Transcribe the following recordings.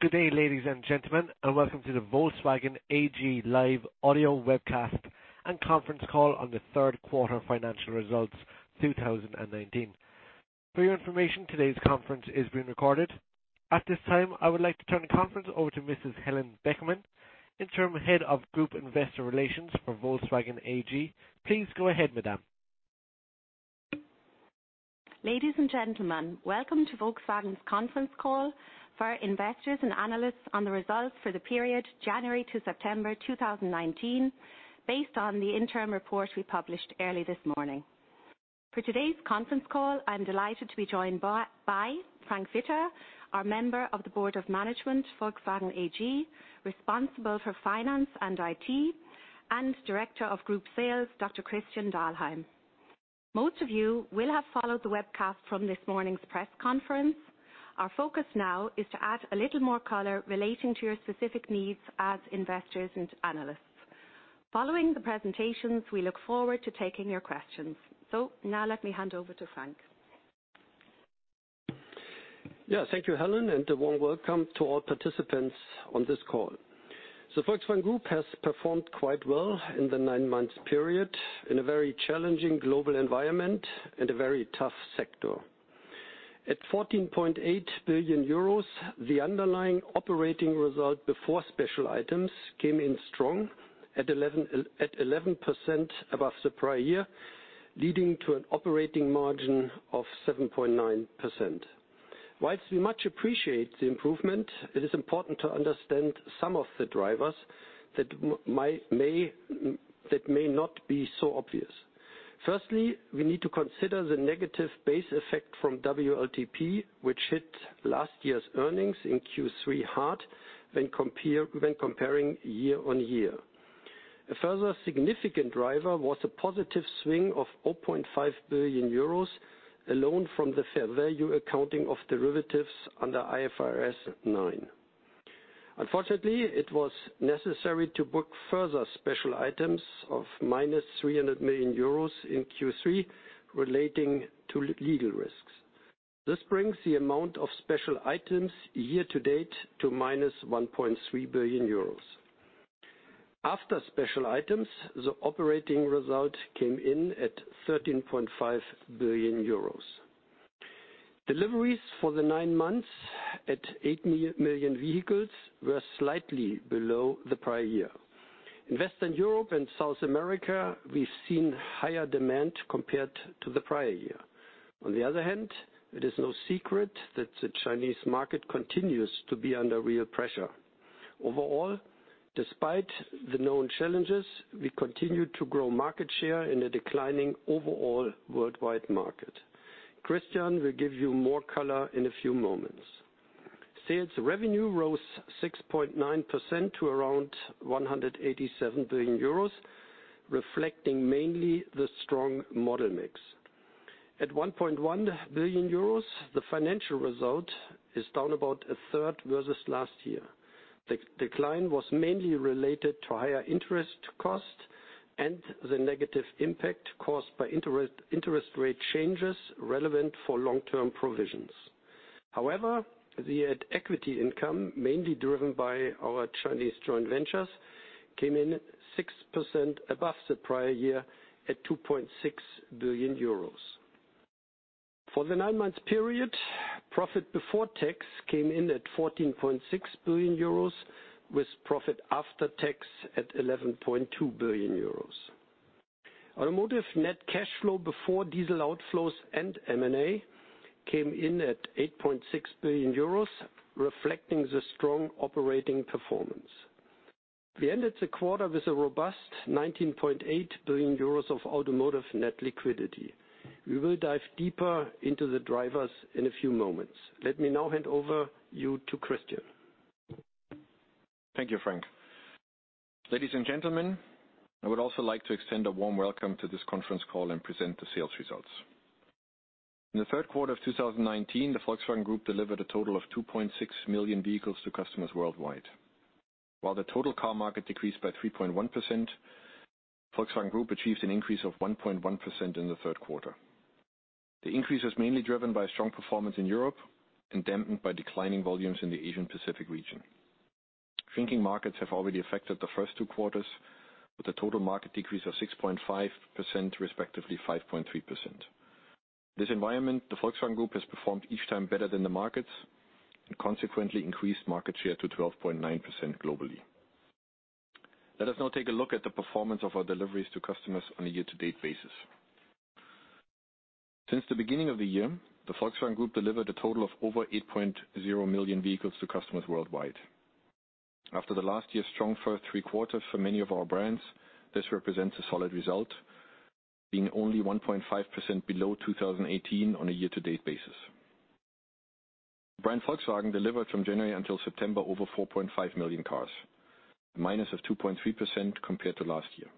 Good day, ladies and gentlemen. Welcome to the Volkswagen AG live audio webcast and conference call on the third quarter financial results 2019. For your information, today's conference is being recorded. At this time, I would like to turn the conference over to Mrs. Helen Beckermann, Interim Head of Group Investor Relations for Volkswagen AG. Please go ahead, madam. Ladies and gentlemen, Welcome to Volkswagen's conference call for investors and analysts on the results for the period January to September 2019, based on the interim report we published early this morning. For today's conference call, I'm delighted to be joined by Frank Witter, our Member of the Board of Management, Volkswagen AG, responsible for finance and IT, and Director of Group Sales, Dr. Christian Dahlheim. Most of you will have followed the webcast from this morning's press conference. Our focus now is to add a little more color relating to your specific needs as investors and analysts. Following the presentations, we look forward to taking your questions. Now let me hand over to Frank. Yeah, thank you, Helen, and a warm welcome to all participants on this call. Volkswagen Group has performed quite well in the nine-month period in a very challenging global environment and a very tough sector. At 14.8 billion euros, the underlying operating result before special items came in strong at 11% above the prior year, leading to an operating margin of 7.9%. Whilst we much appreciate the improvement, it is important to understand some of the drivers that may not be so obvious. Firstly, we need to consider the negative base effect from WLTP, which hit last year's earnings in Q3 hard when comparing year on year. A further significant driver was a positive swing of 8.5 billion euros alone from the fair value accounting of derivatives under IFRS 9. Unfortunately, it was necessary to book further special items of -300 million euros in Q3 relating to legal risks. This brings the amount of special items year to date to -1.3 billion euros. After special items, the operating result came in at 13.5 billion euros. Deliveries for the nine months at 8 million vehicles were slightly below the prior year. In Western Europe and South America, we've seen higher demand compared to the prior year. It is no secret that the Chinese market continues to be under real pressure. Despite the known challenges, we continue to grow market share in a declining overall worldwide market. Christian will give you more color in a few moments. Sales revenue rose 6.9% to around 187 billion euros, reflecting mainly the strong model mix. At 1.1 billion euros, the financial result is down about a third versus last year. The decline was mainly related to higher interest cost and the negative impact caused by interest rate changes relevant for long-term provisions. However, the equity income, mainly driven by our Chinese joint ventures, came in 6% above the prior year at 2.6 billion euros. For the nine-month period, profit before tax came in at 14.6 billion euros with profit after tax at 11.2 billion euros. Automotive net cash flow before diesel outflows and M&A came in at 8.6 billion euros, reflecting the strong operating performance. We ended the quarter with a robust 19.8 billion euros of automotive net liquidity. We will dive deeper into the drivers in a few moments. Let me now hand over you to Christian. Thank you, Frank. Ladies and gentlemen, I would also like to extend a warm welcome to this conference call and present the sales results. In the third quarter of 2019, the Volkswagen Group delivered a total of 2.6 million vehicles to customers worldwide. While the total car market decreased by 3.1%, Volkswagen Group achieves an increase of 1.1% in the third quarter. The increase is mainly driven by strong performance in Europe and dampened by declining volumes in the Asian Pacific region. Shrinking markets have already affected the first two quarters with a total market decrease of 6.5%, respectively 5.3%. This environment, the Volkswagen Group, has performed each time better than the markets and consequently increased market share to 12.9% globally. Let us now take a look at the performance of our deliveries to customers on a year-to-date basis. Since the beginning of the year, the Volkswagen Group delivered a total of over 8.0 million vehicles to customers worldwide. After last year's strong first three quarters for many of our brands, this represents a solid result, being only 1.5% below 2018 on a year-to-date basis. Brand Volkswagen delivered from January until September over 4.5 million cars, minus of 2.3% compared to last year.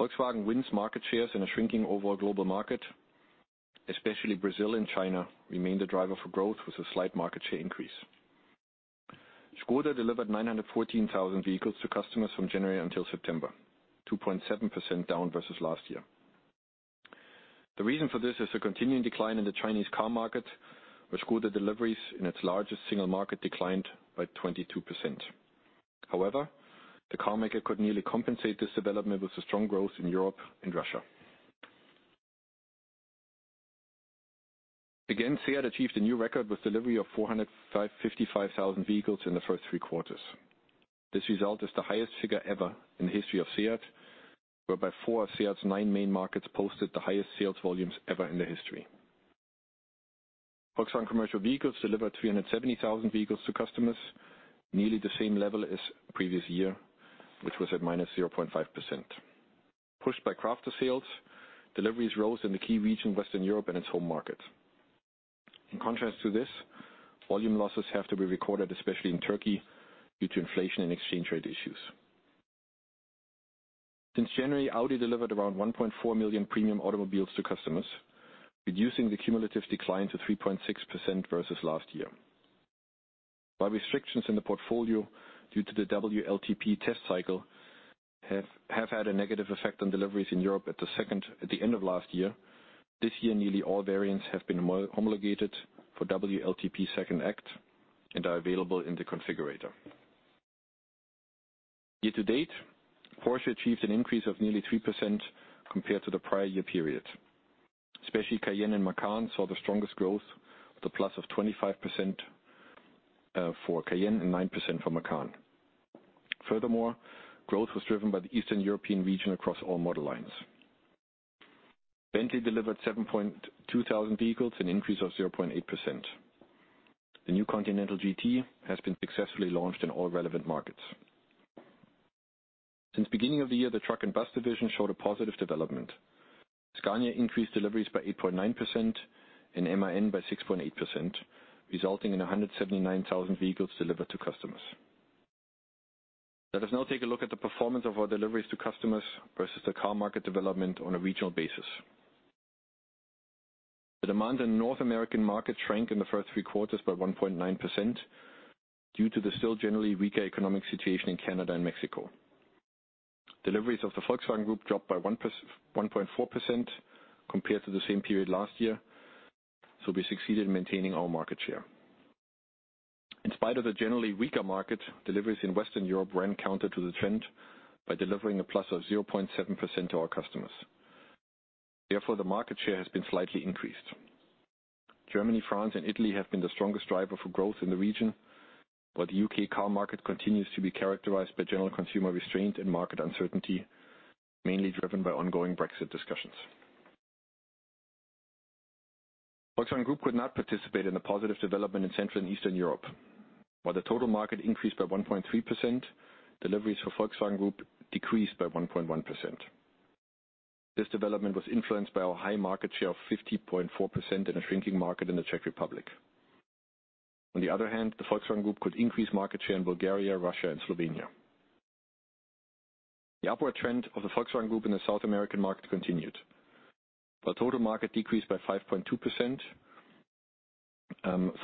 Volkswagen wins market shares in a shrinking overall global market, especially Brazil and China remain the driver for growth with a slight market share increase. Skoda delivered 914,000 vehicles to customers from January until September, 2.7% down versus last year. The reason for this is the continuing decline in the Chinese car market, which ŠKODA deliveries in its largest single market declined by 22%. The car maker could nearly compensate this development with the strong growth in Europe and Russia. Again, SEAT achieved a new record with delivery of 455,000 vehicles in the first three quarters. This result is the highest figure ever in the history of SEAT, whereby four of SEAT's nine main markets posted the highest sales volumes ever in their history. Volkswagen Commercial Vehicles delivered 370,000 vehicles to customers, nearly the same level as previous year, which was at minus 0.5%. Pushed by Crafter sales, deliveries rose in the key region, Western Europe, and its home market. In contrast to this, volume losses have to be recorded, especially in Turkey, due to inflation and exchange rate issues. Since January, Audi delivered around 1.4 million premium automobiles to customers, reducing the cumulative decline to 3.6% versus last year. By restrictions in the portfolio due to the WLTP test cycle have had a negative effect on deliveries in Europe at the end of last year. This year, nearly all variants have been homologated for WLTP second act and are available in the configurator. Year to date, Porsche achieved an increase of nearly 3% compared to the prior year period. Especially Cayenne and Macan saw the strongest growth with a plus of 25% for Cayenne and 9% for Macan. Furthermore, growth was driven by the Eastern European region across all model lines. Bentley delivered 7.2,000 vehicles, an increase of 0.8%. The new Continental GT has been successfully launched in all relevant markets. Since beginning of the year, the truck and bus division showed a positive development. Scania increased deliveries by 8.9% and MAN by 6.8%, resulting in 179,000 vehicles delivered to customers. Let us now take a look at the performance of our deliveries to customers versus the car market development on a regional basis. The demand in North American market shrank in the first three quarters by 1.9% due to the still generally weaker economic situation in Canada and Mexico. Deliveries of the Volkswagen Group dropped by 1.4% compared to the same period last year. We succeeded in maintaining our market share. In spite of the generally weaker market, deliveries in Western Europe ran counter to the trend by delivering a plus of 0.7% to our customers. Therefore, the market share has been slightly increased. Germany, France, and Italy have been the strongest driver for growth in the region. The U.K. car market continues to be characterized by general consumer restraint and market uncertainty, mainly driven by ongoing Brexit discussions. Volkswagen Group could not participate in the positive development in Central and Eastern Europe. While the total market increased by 1.3%, deliveries for Volkswagen Group decreased by 1.1%. This development was influenced by our high market share of 50.4% in a shrinking market in the Czech Republic. On the other hand, the Volkswagen Group could increase market share in Bulgaria, Russia, and Slovenia. The upward trend of the Volkswagen Group in the South American market continued. While total market decreased by 5.2%,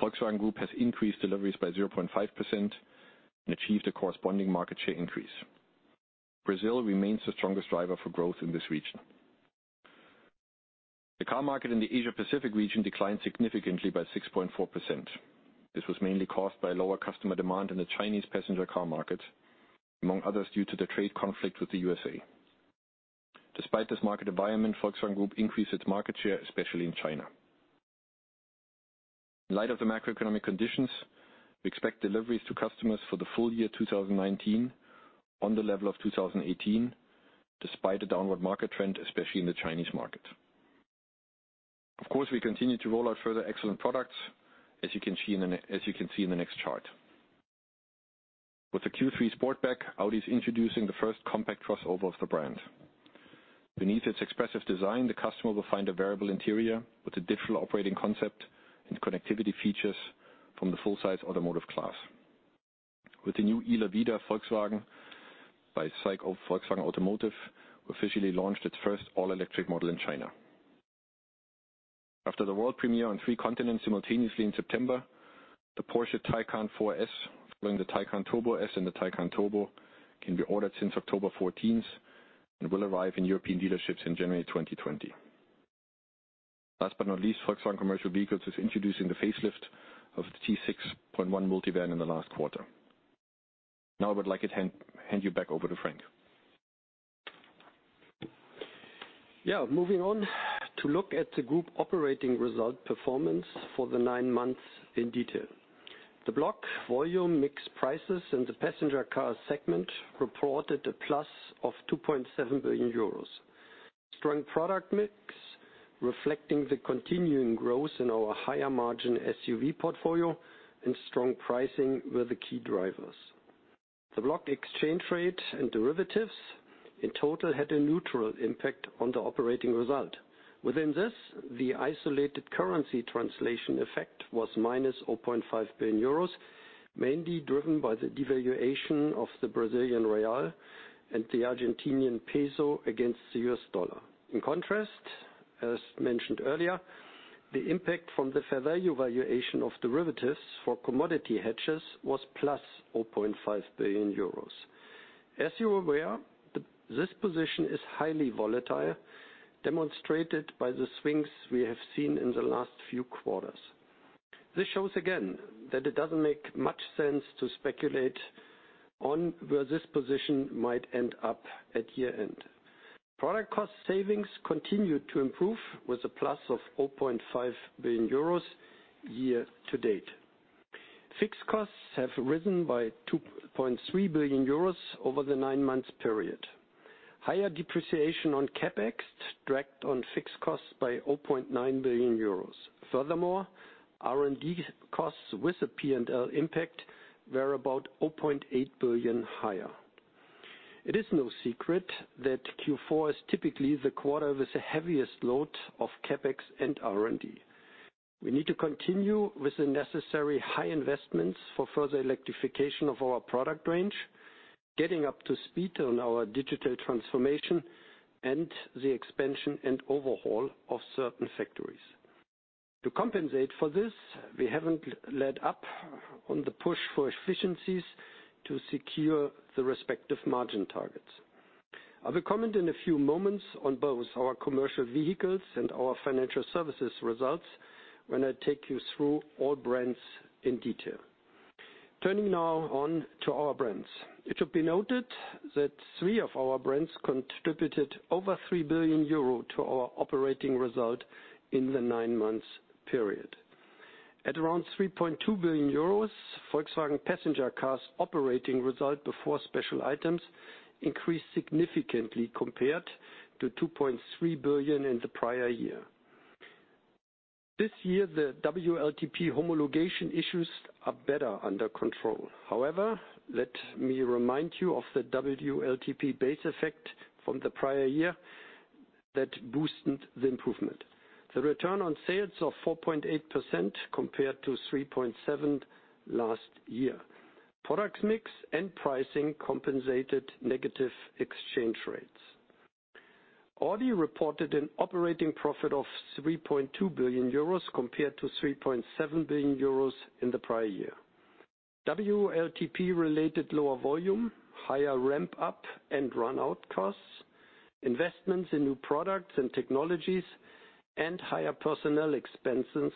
Volkswagen Group has increased deliveries by 0.5% and achieved a corresponding market share increase. Brazil remains the strongest driver for growth in this region. The car market in the Asia-Pacific region declined significantly by 6.4%. This was mainly caused by lower customer demand in the Chinese passenger car market, among others, due to the trade conflict with the U.S.A. Despite this market environment, Volkswagen Group increased its market share, especially in China. In light of the macroeconomic conditions, we expect deliveries to customers for the full year 2019 on the level of 2018, despite a downward market trend, especially in the Chinese market. Of course, we continue to roll out further excellent products, as you can see in the next chart. With the Q3 Sportback, Audi is introducing the first compact crossover of the brand. Beneath its expressive design, the customer will find a variable interior with a digital operating concept and connectivity features from the full-size automotive class. With the new e-Lavida SAIC Volkswagen Automotive, we officially launched its first all-electric model in China. After the world premiere on three continents simultaneously in September, the Porsche Taycan 4S, following the Taycan Turbo S and the Taycan Turbo, can be ordered since October 14th and will arrive in European dealerships in January 2020. Volkswagen Commercial Vehicles is introducing the facelift of the T6.1 Multivan in the last quarter. Now I would like to hand you back over to Frank. Moving on to look at the group operating result performance for the nine months in detail. The block volume mix prices in the passenger car segment reported a plus of 2.7 billion euros. Strong product mix reflecting the continuing growth in our higher margin SUV portfolio and strong pricing were the key drivers. The block exchange rate and derivatives in total had a neutral impact on the operating result. Within this, the isolated currency translation effect was -0.5 billion euros, mainly driven by the devaluation of the Brazilian real and the Argentinian peso against the U.S. dollar. In contrast, as mentioned earlier, the impact from the fair value valuation of derivatives for commodity hedges was +0.5 billion euros. As you are aware, this position is highly volatile, demonstrated by the swings we have seen in the last few quarters. This shows again, that it doesn't make much sense to speculate on where this position might end up at year-end. Product cost savings continued to improve with a plus of 0.5 billion euros year to date. Fixed costs have risen by 2.3 billion euros over the nine-month period. Higher depreciation on CapEx dragged on fixed costs by 0.9 billion euros. Furthermore, R&D costs with a P&L impact were about 0.8 billion higher. It is no secret that Q4 is typically the quarter with the heaviest load of CapEx and R&D. We need to continue with the necessary high investments for further electrification of our product range, getting up to speed on our digital transformation, and the expansion and overhaul of certain factories. To compensate for this, we haven't let up on the push for efficiencies to secure the respective margin targets. I will comment in a few moments on both our Commercial Vehicles and our Financial Services results when I take you through all brands in detail. Turning now on to our brands. It should be noted that three of our brands contributed over 3 billion euro to our operating result in the nine-month period. At around 3.2 billion euros, Volkswagen Passenger Cars operating result before special items increased significantly compared to 2.3 billion in the prior year. This year, the WLTP homologation issues are better under control. However, let me remind you of the WLTP base effect from the prior year that boosted the improvement. The return on sales of 4.8% compared to 3.7% last year. Product mix and pricing compensated negative exchange rates. Audi reported an operating profit of 3.2 billion euros compared to 3.7 billion euros in the prior year. WLTP-related lower volume, higher ramp-up and run-out costs, investments in new products and technologies, and higher personnel expenses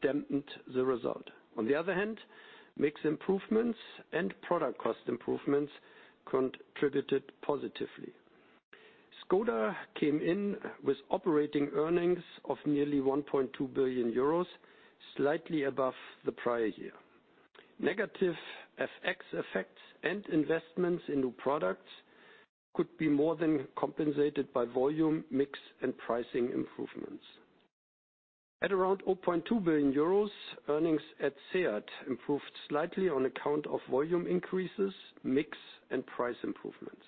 dampened the result. Mix improvements and product cost improvements contributed positively. ŠKODA came in with operating earnings of nearly 1.2 billion euros, slightly above the prior year. Negative FX effects and investments in new products could be more than compensated by volume, mix, and pricing improvements. At around 0.2 billion euros, earnings at SEAT improved slightly on account of volume increases, mix, and price improvements.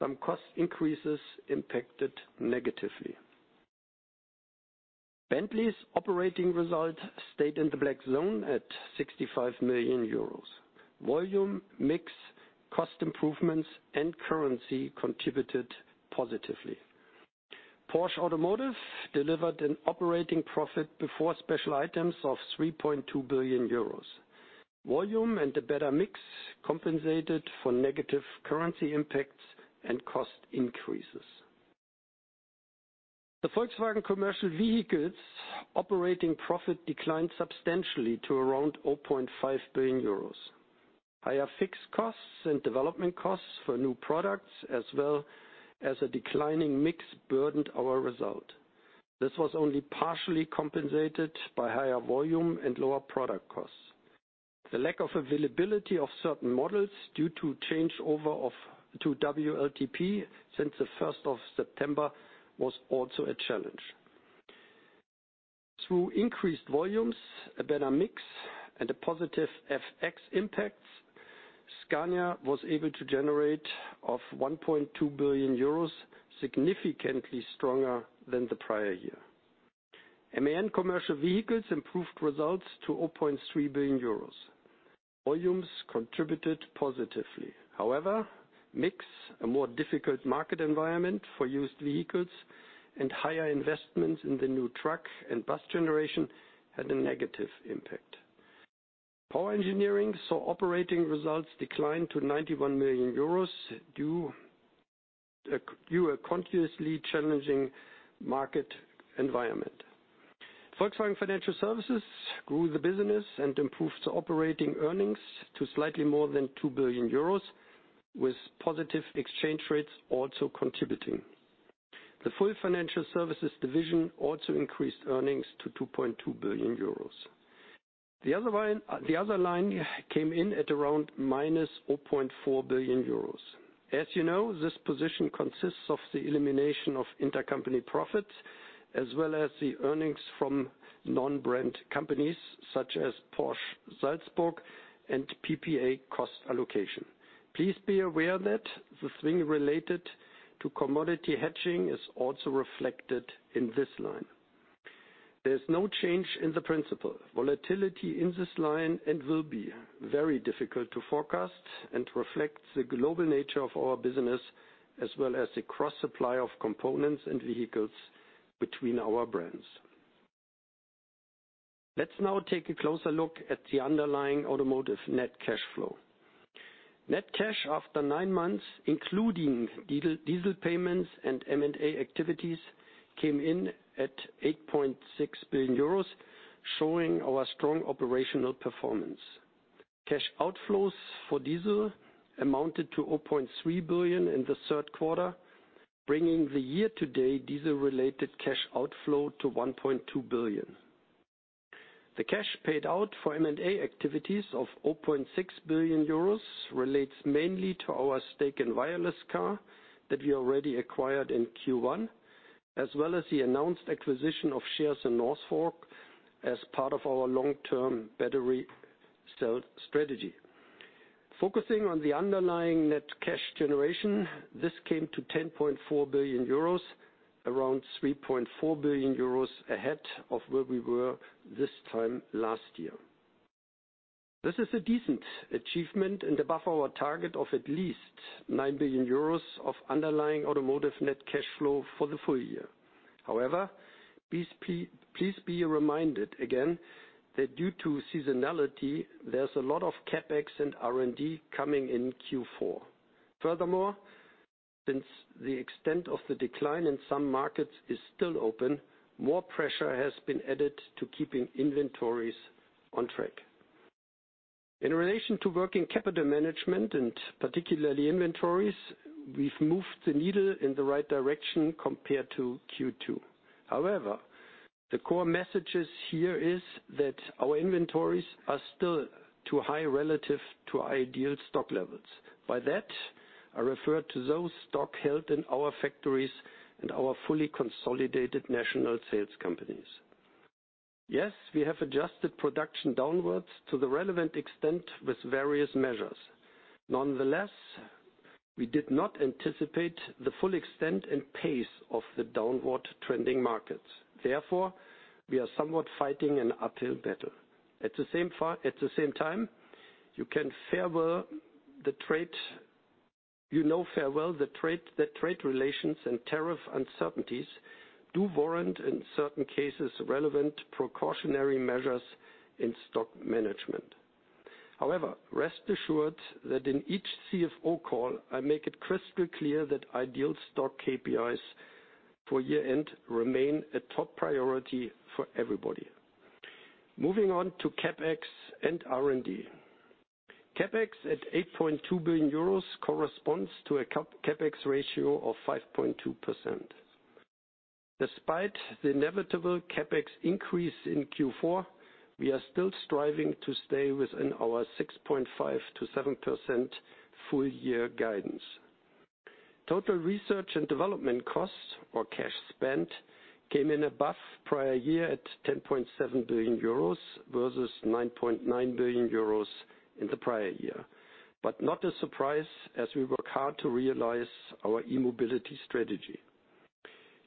Some cost increases impacted negatively. Bentley's operating result stayed in the black zone at 65 million euros. Volume, mix, cost improvements, and currency contributed positively. Porsche Automotive delivered an operating profit before special items of 3.2 billion euros. Volume and a better mix compensated for negative currency impacts and cost increases. The Volkswagen Commercial Vehicles operating profit declined substantially to around 0.5 billion euros. Higher fixed costs and development costs for new products, as well as a declining mix, burdened our result. This was only partially compensated by higher volume and lower product costs. The lack of availability of certain models due to changeover to WLTP since the 1st of September was also a challenge. Through increased volumes, a better mix, and a positive FX impact, Scania was able to generate 1.2 billion euros, significantly stronger than the prior year. MAN Commercial Vehicles improved results to 0.3 billion euros. Volumes contributed positively. However, mix a more difficult market environment for used vehicles, and higher investments in the new truck and bus generation had a negative impact. Power Engineering saw operating results decline to 91 million euros due a continuously challenging market environment. Volkswagen Financial Services grew the business and improved operating earnings to slightly more than 2 billion euros, with positive exchange rates also contributing. The full Volkswagen Financial Services division also increased earnings to 2.2 billion euros. The other line came in at around minus 0.4 billion euros. As you know, this position consists of the elimination of intercompany profits, as well as the earnings from non-brand companies such as Porsche Holding Salzburg and PPA cost allocation. Please be aware that the swing related to commodity hedging is also reflected in this line. There's no change in the principle. Volatility in this line and will be very difficult to forecast and reflect the global nature of our business as well as the cross-supply of components and vehicles between our brands. Let's now take a closer look at the underlying automotive net cash flow. Net cash after nine months, including diesel payments and M&A activities, came in at 8.6 billion euros, showing our strong operational performance. Cash outflows for diesel amounted to 0.3 billion in the third quarter, bringing the year-to-date diesel-related cash outflow to 1.2 billion. The cash paid out for M&A activities of 0.6 billion euros relates mainly to our stake in WirelessCar that we already acquired in Q1, as well as the announced acquisition of shares in Northvolt as part of our long-term battery cell strategy. Focusing on the underlying net cash generation, this came to 10.4 billion euros, around 3.4 billion euros ahead of where we were this time last year. This is a decent achievement and above our target of at least 9 billion euros of underlying automotive net cash flow for the full year. However, please be reminded again that due to seasonality, there's a lot of CapEx and R&D coming in Q4. Furthermore, since the extent of the decline in some markets is still open, more pressure has been added to keeping inventories on track. In relation to working capital management and particularly inventories, we've moved the needle in the right direction compared to Q2. However, the core message here is that our inventories are still too high relative to ideal stock levels. By that, I refer to those stock held in our factories and our fully consolidated national sales companies. Yes, we have adjusted production downwards to the relevant extent with various measures. Nonetheless, we did not anticipate the full extent and pace of the downward-trending markets. Therefore, we are somewhat fighting an uphill battle. At the same time, you know very well the trade relations and tariff uncertainties do warrant, in certain cases, relevant precautionary measures in stock management. Rest assured that in each CFO call, I make it crystal clear that ideal stock KPIs for year-end remain a top priority for everybody. Moving on to CapEx and R&D. CapEx at 8.2 billion euros corresponds to a CapEx ratio of 5.2%. Despite the inevitable CapEx increase in Q4, we are still striving to stay within our 6.5%-7% full-year guidance. Total research and development costs or cash spent came in above prior year at 10.7 billion euros versus 9.9 billion euros in the prior year, but not a surprise as we work hard to realize our e-mobility strategy.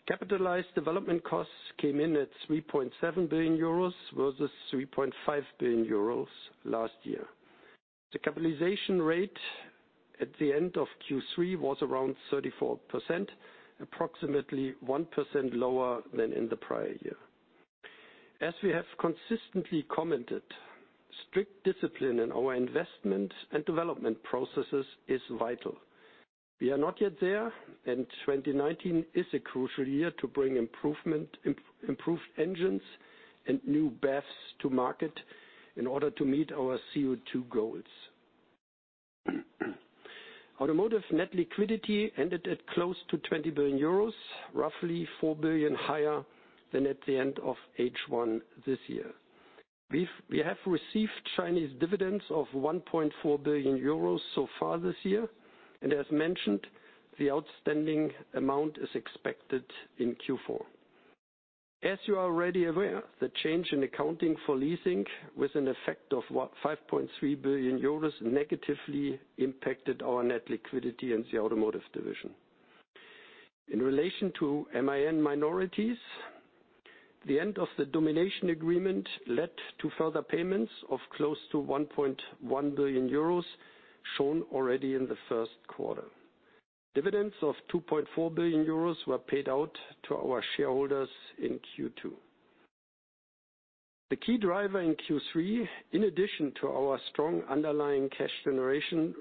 Capitalized development costs came in at 3.7 billion euros versus 3.5 billion euros last year. The capitalization rate at the end of Q3 was around 34%, approximately 1% lower than in the prior year. As we have consistently commented, strict discipline in our investment and development processes is vital. We are not yet there. 2019 is a crucial year to bring improved engines and new BEVs to market in order to meet our CO2 goals. Automotive net liquidity ended at close to 20 billion euros, roughly 4 billion higher than at the end of H1 this year. We have received Chinese dividends of 1.4 billion euros so far this year, and as mentioned, the outstanding amount is expected in Q4. As you are already aware, the change in accounting for leasing with an effect of what, 5.3 billion euros negatively impacted our net liquidity in the automotive division. In relation to MAN minorities, the end of the domination agreement led to further payments of close to 1.1 billion euros shown already in the first quarter. Dividends of 2.4 billion euros were paid out to our shareholders in Q2. The key driver in Q3, in addition to our strong underlying cash generation,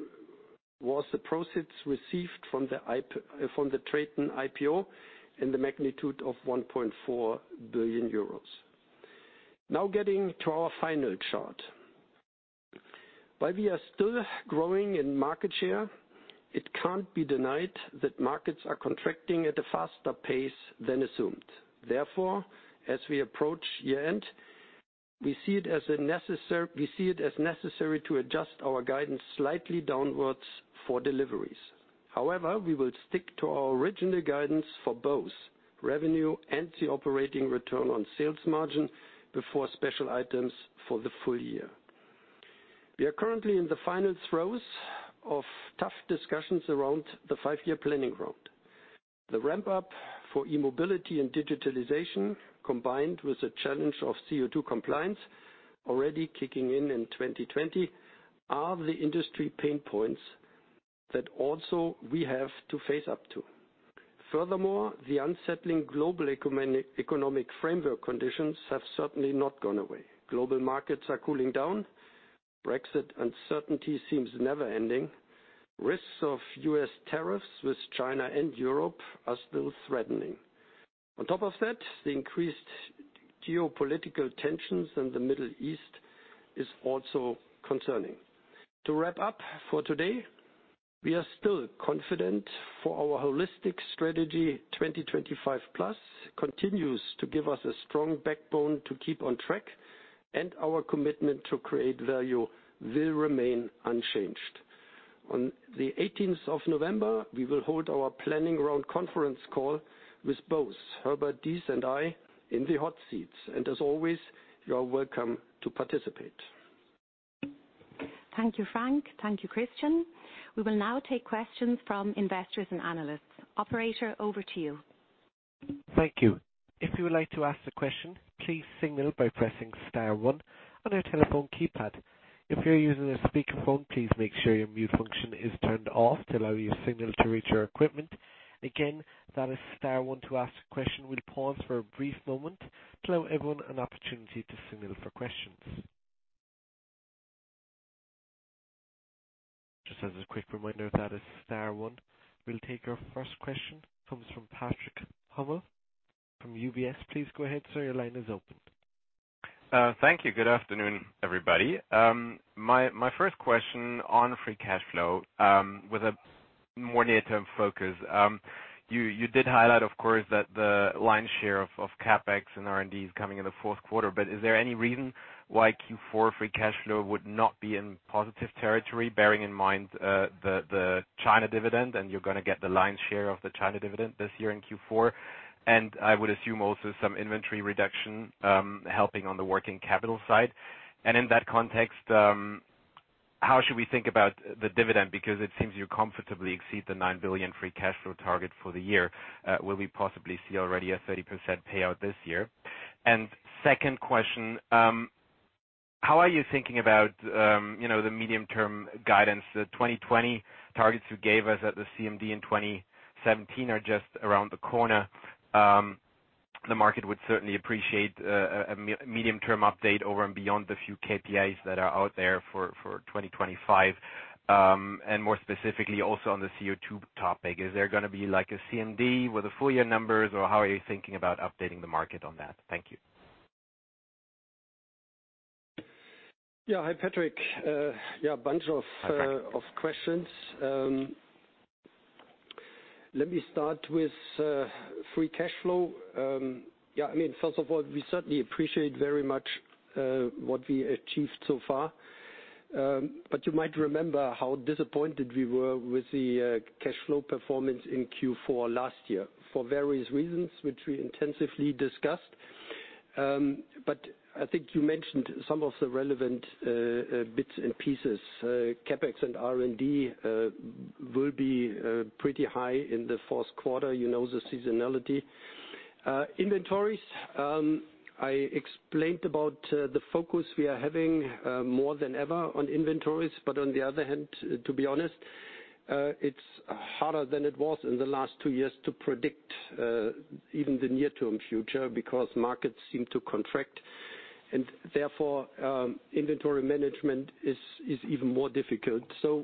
was the proceeds received from the TRATON IPO in the magnitude of 1.4 billion euros. Getting to our final chart. While we are still growing in market share, it can't be denied that markets are contracting at a faster pace than assumed. As we approach year-end, we see it as necessary to adjust our guidance slightly downwards for deliveries. We will stick to our original guidance for both revenue and the operating return on sales margin before special items for the full year. We are currently in the final throes of tough discussions around the five-year Planning Round. The ramp up for e-mobility and digitalization, combined with the challenge of CO2 compliance, already kicking in in 2020, are the industry pain points that also we have to face up to. Furthermore, the unsettling global economic framework conditions have certainly not gone away. Global markets are cooling down. Brexit uncertainty seems never ending. Risks of U.S. tariffs with China and Europe are still threatening. On top of that, the increased geopolitical tensions in the Middle East is also concerning. To wrap up for today, we are still confident for our holistic strategy. TOGETHER 2025+ continues to give us a strong backbone to keep on track, and our commitment to create value will remain unchanged. On the 18th of November, we will hold our planning round conference call with both Herbert Diess and I in the hot seats. As always, you are welcome to participate. Thank you, Frank. Thank you, Christian. We will now take questions from investors and analysts. Operator, over to you. Thank you. If you would like to ask a question, please signal by pressing star one on your telephone keypad. If you're using a speakerphone, please make sure your mute function is turned off to allow your signal to reach our equipment. Again, that is star one to ask a question. We'll pause for a brief moment to allow everyone an opportunity to signal for questions. Just as a quick reminder, that is star one. We'll take our first question, comes from Patrick Hummel from UBS. Please go ahead, sir, your line is open. Thank you. Good afternoon, everybody. My first question on free cash flow, with a more near-term focus. You did highlight, of course, that the lion's share of CapEx and R&D is coming in the fourth quarter. Is there any reason why Q4 free cash flow would not be in positive territory, bearing in mind the China dividend, and you're going to get the lion's share of the China dividend this year in Q4? I would assume also some inventory reduction, helping on the working capital side. In that context, how should we think about the dividend? Because it seems you comfortably exceed the 9 billion free cash flow target for the year. Will we possibly see already a 30% payout this year? Second question, how are you thinking about the medium-term guidance? The 2020 targets you gave us at the CMD in 2017 are just around the corner. The market would certainly appreciate a medium-term update over and beyond the few KPIs that are out there for 2025. More specifically, also on the CO2 topic, is there going to be like a CMD with the full year numbers, or how are you thinking about updating the market on that? Thank you. Hi, Patrick. A bunch of questions. Let me start with free cashflow. First of all, we certainly appreciate very much what we achieved so far. You might remember how disappointed we were with the cashflow performance in Q4 last year for various reasons, which we intensively discussed. I think you mentioned some of the relevant bits and pieces. CapEx and R&D will be pretty high in the fourth quarter. You know the seasonality. Inventories, I explained about the focus we are having more than ever on inventories, but on the other hand, to be honest, it's harder than it was in the last two years to predict even the near-term future because markets seem to contract. Therefore, inventory management is even more difficult.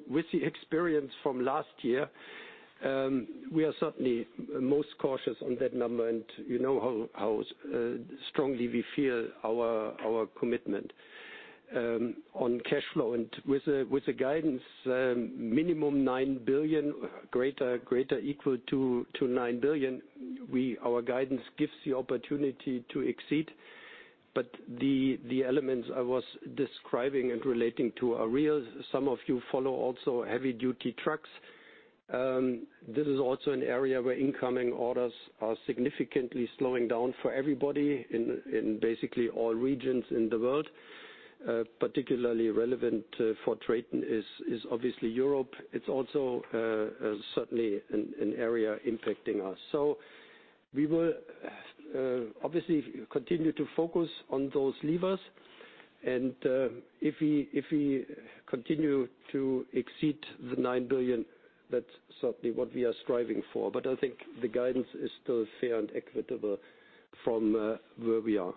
With the experience from last year, we are certainly most cautious on that number, and you know how strongly we feel our commitment on cashflow. With the guidance, minimum 9 billion, greater equal to 9 billion, our guidance gives the opportunity to exceed. The elements I was describing and relating to are real. Some of you follow also heavy-duty trucks. This is also an area where incoming orders are significantly slowing down for everybody in basically all regions in the world. Particularly relevant for TRATON is obviously Europe. It's also certainly an area impacting us. We will obviously continue to focus on those levers, and if we continue to exceed the 9 billion, that's certainly what we are striving for. I think the guidance is still fair and equitable from where we are.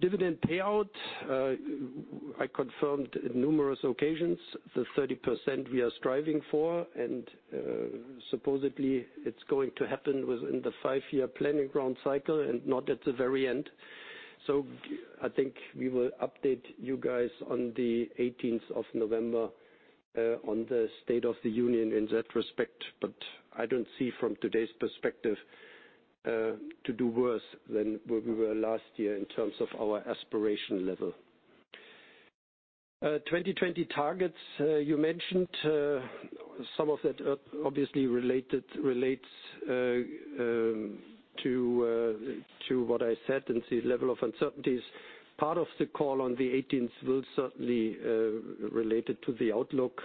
Dividend payout, I confirmed in numerous occasions, the 30% we are striving for. Supposedly it's going to happen within the five-year Planning Round cycle and not at the very end. I think we will update you guys on the 18th of November on the State of the Union in that respect. I don't see from today's perspective to do worse than where we were last year in terms of our aspiration level. 2020 targets, you mentioned some of that obviously relates to what I said and the level of uncertainties. Part of the call on the 18th will certainly related to the outlook.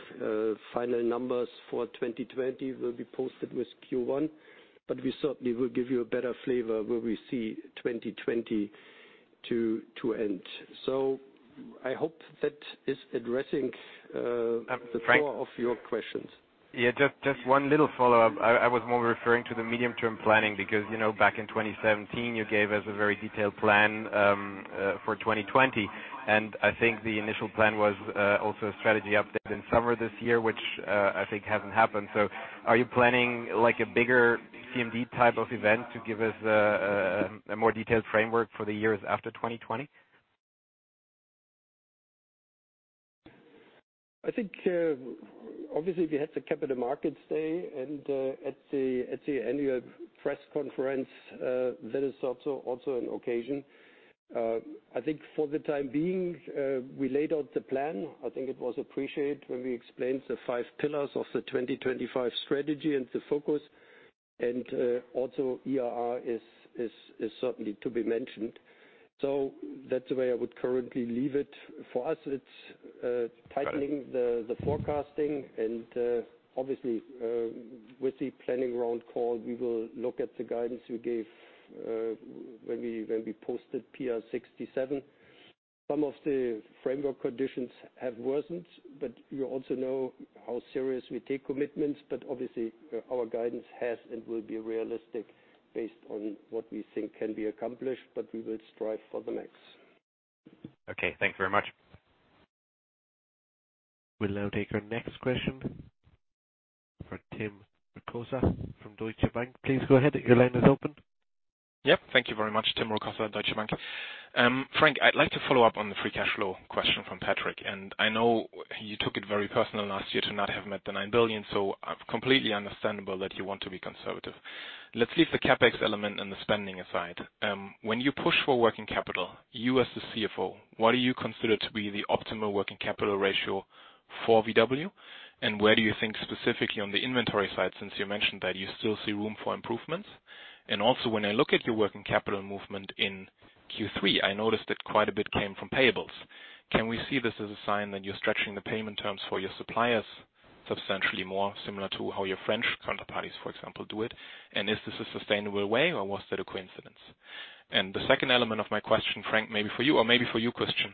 Final numbers for 2020 will be posted with Q1. We certainly will give you a better flavor where we see 2020 to end. I hope that is addressing. Frank The core of your questions. Yeah, just one little follow-up. I was more referring to the medium-term planning because, back in 2017, you gave us a very detailed plan for 2020, and I think the initial plan was also a strategy update in summer this year, which I think hasn't happened. Are you planning like a bigger CMD type of event to give us a more detailed framework for the years after 2020? I think, obviously, we had the Capital Markets roadshow and at the annual press conference, that is also an occasion. I think for the time being, we laid out the plan. I think it was appreciated when we explained the five pillars of the 2025 strategy and the focus, and also ERR is certainly to be mentioned. That's the way I would currently leave it. For us, it's tightening the forecasting and, obviously, with the planning round call, we will look at the guidance we gave when we posted PR 67. Some of the framework conditions have worsened, but you also know how serious we take commitments. Obviously our guidance has and will be realistic based on what we think can be accomplished, but we will strive for the max. Okay, thanks very much. We'll now take our next question for Tim Rokossa from Deutsche Bank. Please go ahead. Your line is open. Yep. Thank you very much. Tim Rokossa, Deutsche Bank. Frank, I'd like to follow up on the free cash flow question from Patrick, I know you took it very personal last year to not have met the 9 billion, completely understandable that you want to be conservative. Let's leave the CapEx element and the spending aside. When you push for working capital, you as the CFO, what do you consider to be the optimal working capital ratio for VW? Where do you think specifically on the inventory side, since you mentioned that you still see room for improvements? Also when I look at your working capital movement in Q3, I noticed that quite a bit came from payables. Can we see this as a sign that you're stretching the payment terms for your suppliers substantially more similar to how your French counterparties, for example, do it? Is this a sustainable way, or was that a coincidence? The second element of my question, Frank, maybe for you or maybe for you, Christian,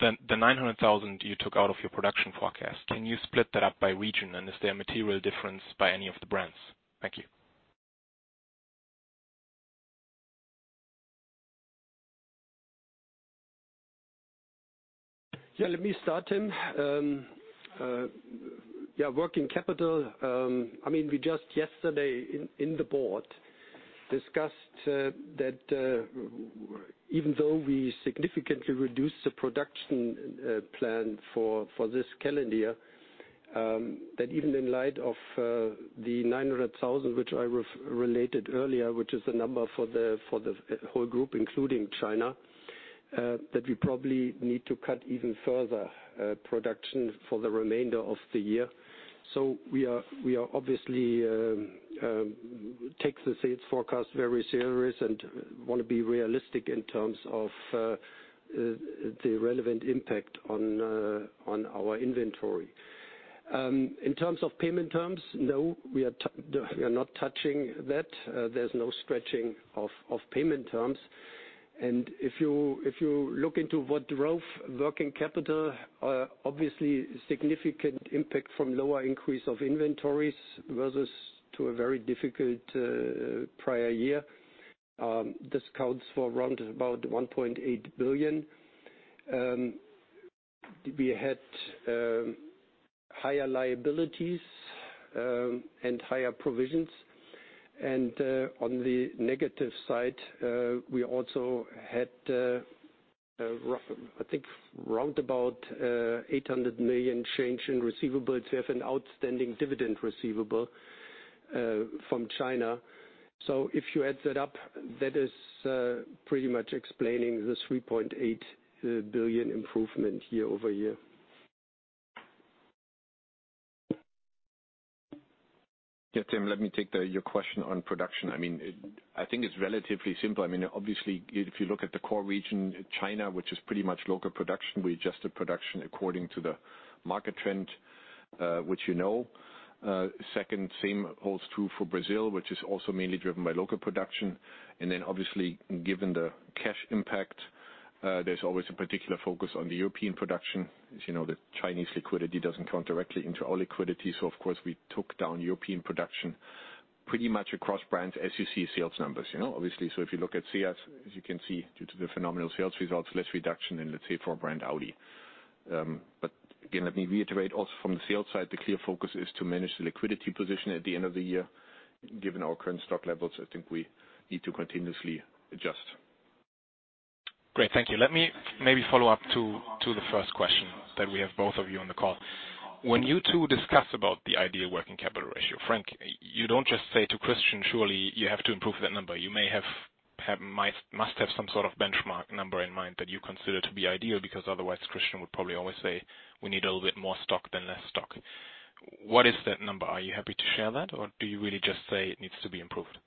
the 900,000 you took out of your production forecast, can you split that up by region? Is there a material difference by any of the brands? Thank you. Yeah, let me start, Tim. Yeah, working capital. We just yesterday in the Board discussed that even though we significantly reduced the production plan for this calendar year, that even in light of the 900,000, which I related earlier, which is the number for the whole Group, including China, that we probably need to cut even further production for the remainder of the year. We are obviously take the sales forecast very serious and want to be realistic in terms of the relevant impact on our inventory. In terms of payment terms, no, we are not touching that. There's no stretching of payment terms. If you look into what drove working capital, obviously significant impact from lower increase of inventories versus to a very difficult prior year. This counts for around about 1.8 billion. We had higher liabilities and higher provisions. On the negative side, we also had, I think around about 800 million change in receivables. We have an outstanding dividend receivable from China. If you add that up, that is pretty much explaining the 3.8 billion improvement year-over-year. Tim, let me take your question on production. I think it's relatively simple. If you look at the core region, China, which is pretty much local production, we adjusted production according to the market trend, you know. Same holds true for Brazil, which is also mainly driven by local production. Given the cash impact, there's always a particular focus on the European production. As you know, the Chinese liquidity doesn't count directly into our liquidity. We took down European production pretty much across brands as you see sales numbers. If you look at SEAT, as you can see, due to the phenomenal sales results, less reduction in, let's say, for brand Audi. Let me reiterate, also from the sales side, the clear focus is to manage the liquidity position at the end of the year. Given our current stock levels, I think we need to continuously adjust. Great. Thank you. Let me maybe follow up to the first question that we have both of you on the call. When you two discuss about the ideal working capital ratio, Frank, you don't just say to Christian, "Surely you have to improve that number." You must have some sort of benchmark number in mind that you consider to be ideal because otherwise Christian would probably always say, "We need a little bit more stock than less stock." What is that number? Are you happy to share that, or do you really just say it needs to be improved?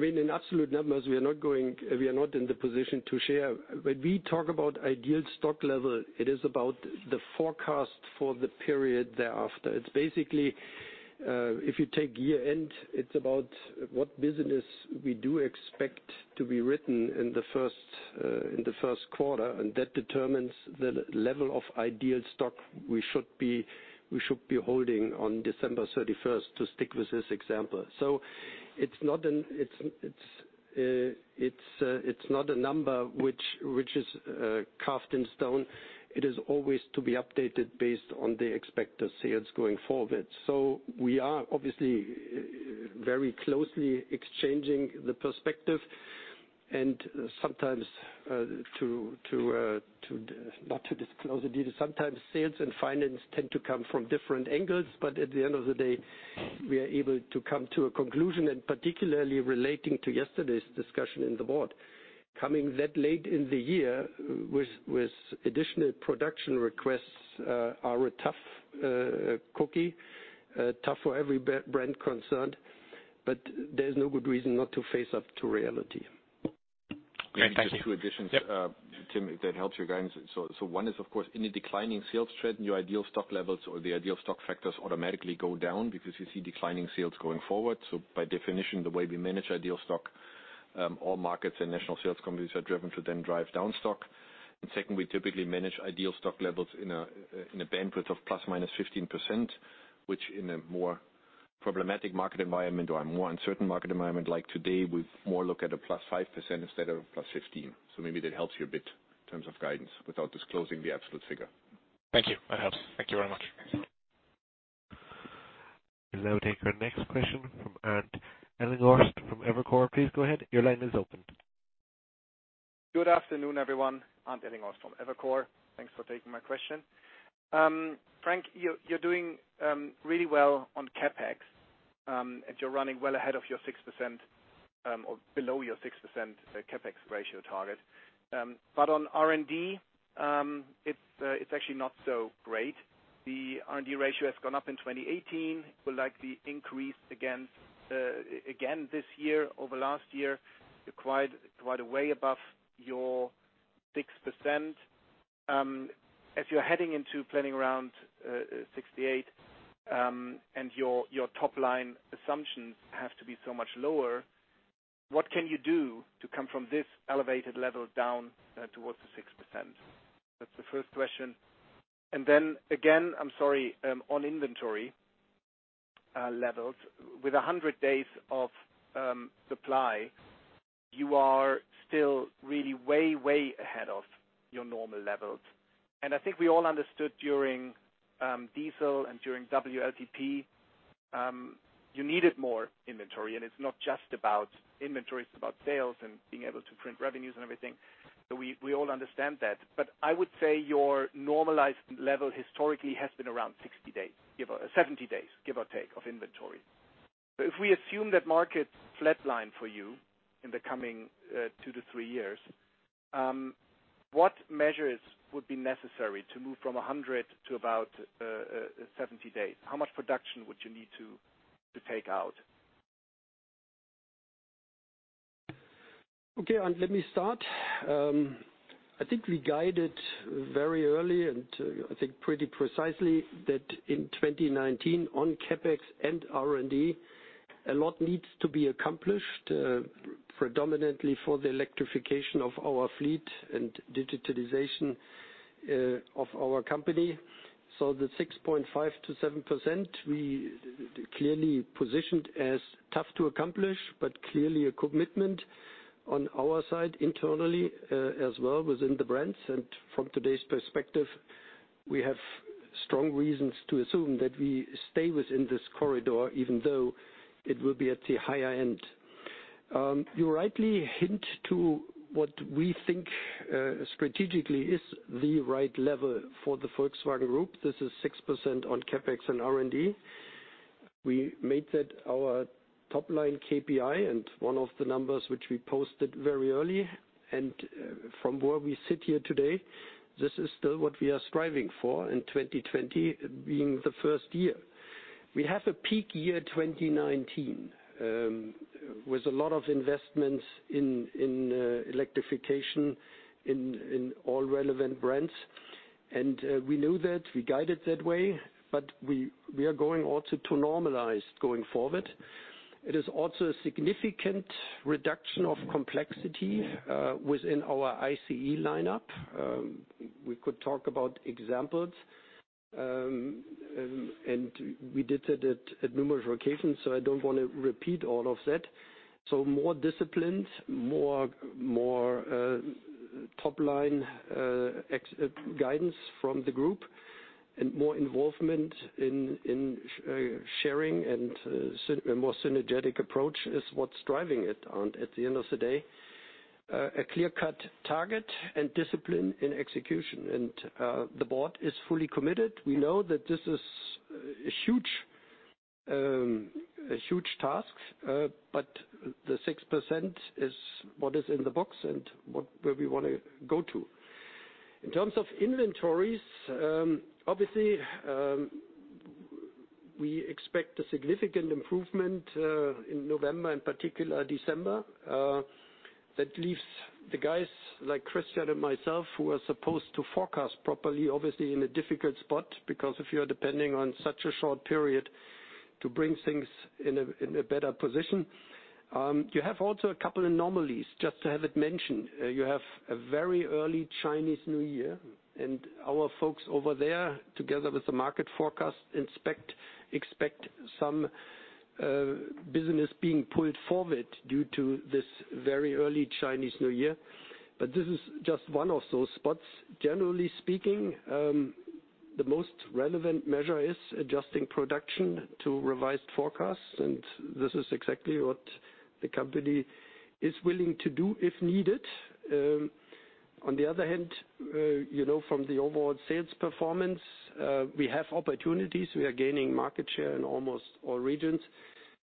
In absolute numbers, we are not in the position to share. When we talk about ideal stock level, it is about the forecast for the period thereafter. It's basically, if you take year end, it's about what business we do expect to be written in the first quarter, and that determines the level of ideal stock we should be holding on December 31st, to stick with this example. It's not a number which is carved in stone. It is always to be updated based on the expected sales going forward. We are obviously very closely exchanging the perspective and sometimes, not to disclose a deal, sometimes sales and finance tend to come from different angles, but at the end of the day, we are able to come to a conclusion, and particularly relating to yesterday's discussion in the board. Coming that late in the year with additional production requests are a tough cookie, tough for every brand concerned. There's no good reason not to face up to reality. Great. Thank you. Just two additions. Yep Tim, if that helps your guidance. One is, of course, any declining sales trend, your ideal stock levels or the ideal stock factors automatically go down because you see declining sales going forward. By definition, the way we manage ideal stock, all markets and national sales companies are driven to then drive down stock. Second, we typically manage ideal stock levels in a bandwidth of plus or minus 15%, which in a more problematic market environment or a more uncertain market environment like today, we more look at a plus 15% instead of a plus 15%. Maybe that helps you a bit in terms of guidance without disclosing the absolute figure. Thank you. That helps. Thank you very much. We'll now take our next question from Arndt Ellinghorst from Evercore ISI. Please go ahead. Your line is open. Good afternoon, everyone. Arndt Ellinghorst from Evercore. Thanks for taking my question. Frank, you're doing really well on CapEx, and you're running well below your 6% CapEx ratio target. On R&D, it's actually not so great. The R&D ratio has gone up in 2018, will likely increase again this year over last year, quite a way above your 6%. As you're heading into Planning Round 68, and your top line assumptions have to be so much lower, what can you do to come from this elevated level down towards the 6%? That's the first question. Then again, I'm sorry, on inventory levels. With 100 days of supply, you are still really way ahead of your normal levels. I think we all understood during diesel and during WLTP, you needed more inventory, and it's not just about inventory, it's about sales and being able to print revenues and everything. We all understand that. I would say your normalized level historically has been around 70 days, give or take, of inventory. If we assume that markets flatline for you in the coming two to three years, what measures would be necessary to move from 100 to about 70 days? How much production would you need to take out? Okay, Arndt, let me start. I think we guided very early and I think pretty precisely that in 2019 on CapEx and R&D, a lot needs to be accomplished, predominantly for the electrification of our fleet and digitalization of our company. The 6.5%-7%, we clearly positioned as tough to accomplish, but clearly a commitment on our side internally as well within the brands. From today's perspective, we have strong reasons to assume that we stay within this corridor, even though it will be at the higher end. You rightly hint to what we think strategically is the right level for the Volkswagen Group. This is 6% on CapEx and R&D. We made that our top-line KPI and one of the numbers which we posted very early. From where we sit here today, this is still what we are striving for in 2020 being the first year. We have a peak year 2019, with a lot of investments in electrification in all relevant brands. We know that, we guided that way, but we are going also to normalize going forward. It is also a significant reduction of complexity within our ICE lineup. We could talk about examples, and we did that at numerous occasions, so I don't want to repeat all of that. More disciplined, more top-line guidance from the group, and more involvement in sharing and a more synergetic approach is what's driving it, Arndt, at the end of the day. A clear-cut target and discipline in execution. The board is fully committed. We know that this is a huge task, but the 6% is what is in the box and where we want to go to. In terms of inventories, obviously, we expect a significant improvement in November, and particular December. That leaves the guys like Christian and myself, who are supposed to forecast properly, obviously in a difficult spot, because if you are depending on such a short period to bring things in a better position. You have also a couple anomalies, just to have it mentioned. You have a very early Chinese New Year, and our folks over there, together with the market forecast, expect some business being pulled forward due to this very early Chinese New Year. This is just one of those spots. Generally speaking, the most relevant measure is adjusting production to revised forecasts, and this is exactly what the company is willing to do if needed. On the other hand, from the overall sales performance, we have opportunities. We are gaining market share in almost all regions.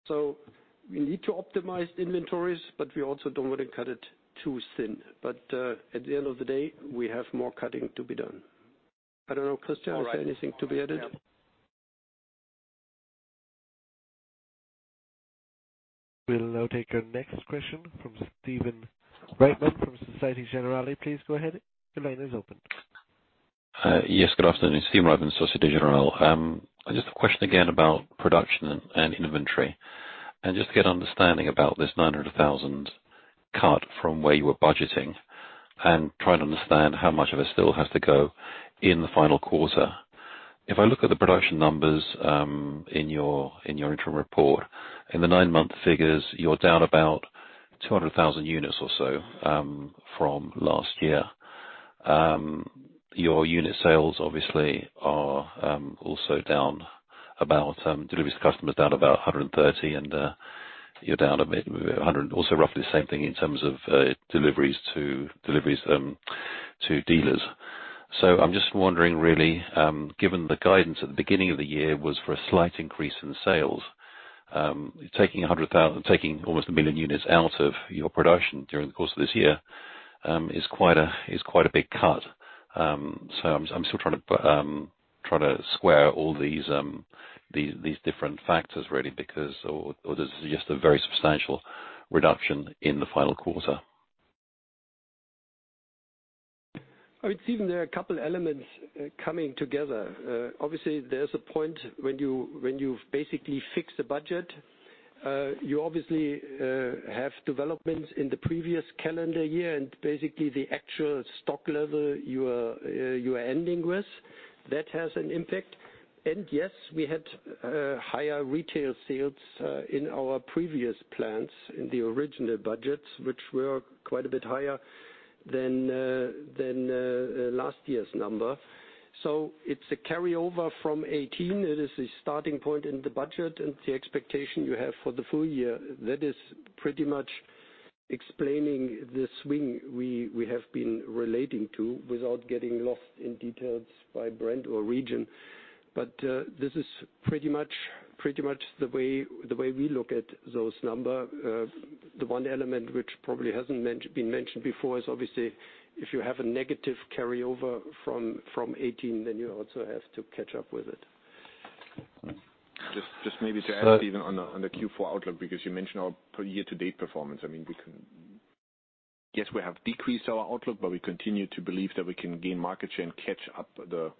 We need to optimize inventories, but we also don't want to cut it too thin. At the end of the day, we have more cutting to be done. I don't know, Christian, is there anything to be added? All right. We'll now take our next question from Stephen Reitman from Societe Generale. Please go ahead. Your line is open. Yes, good afternoon. Stephen Reitman, Societe Generale. Just a question again about production and inventory, and just to get an understanding about this 900,000 cut from where you were budgeting, and try to understand how much of it still has to go in the final quarter. If I look at the production numbers in your interim report, in the nine-month figures, you're down about 200,000 units or so from last year. Your unit sales obviously are also down about, deliveries to customers down about 130, and you're down a bit, also roughly the same thing in terms of deliveries to dealers. I'm just wondering, really, given the guidance at the beginning of the year was for a slight increase in sales, taking almost a million units out of your production during the course of this year is quite a big cut. I'm still trying to square all these different factors, really, or this is just a very substantial reduction in the final quarter. Well, it's even there are a couple elements coming together. Obviously, there's a point when you've basically fixed a budget. You obviously have developments in the previous calendar year, and basically the actual stock level you are ending with, that has an impact. Yes, we had higher retail sales in our previous plans in the original budgets, which were quite a bit higher than last year's number. It's a carryover from 2018. It is a starting point in the budget and the expectation you have for the full year. That is pretty much explaining the swing we have been relating to, without getting lost in details by brand or region. This is pretty much the way we look at those number. The one element which probably hasn't been mentioned before is obviously, if you have a negative carryover from 2018, then you also have to catch up with it. Just maybe to add, even on the Q4 outlook, because you mentioned our year-to-date performance. I guess we have decreased our outlook, we continue to believe that we can gain market share and catch up the,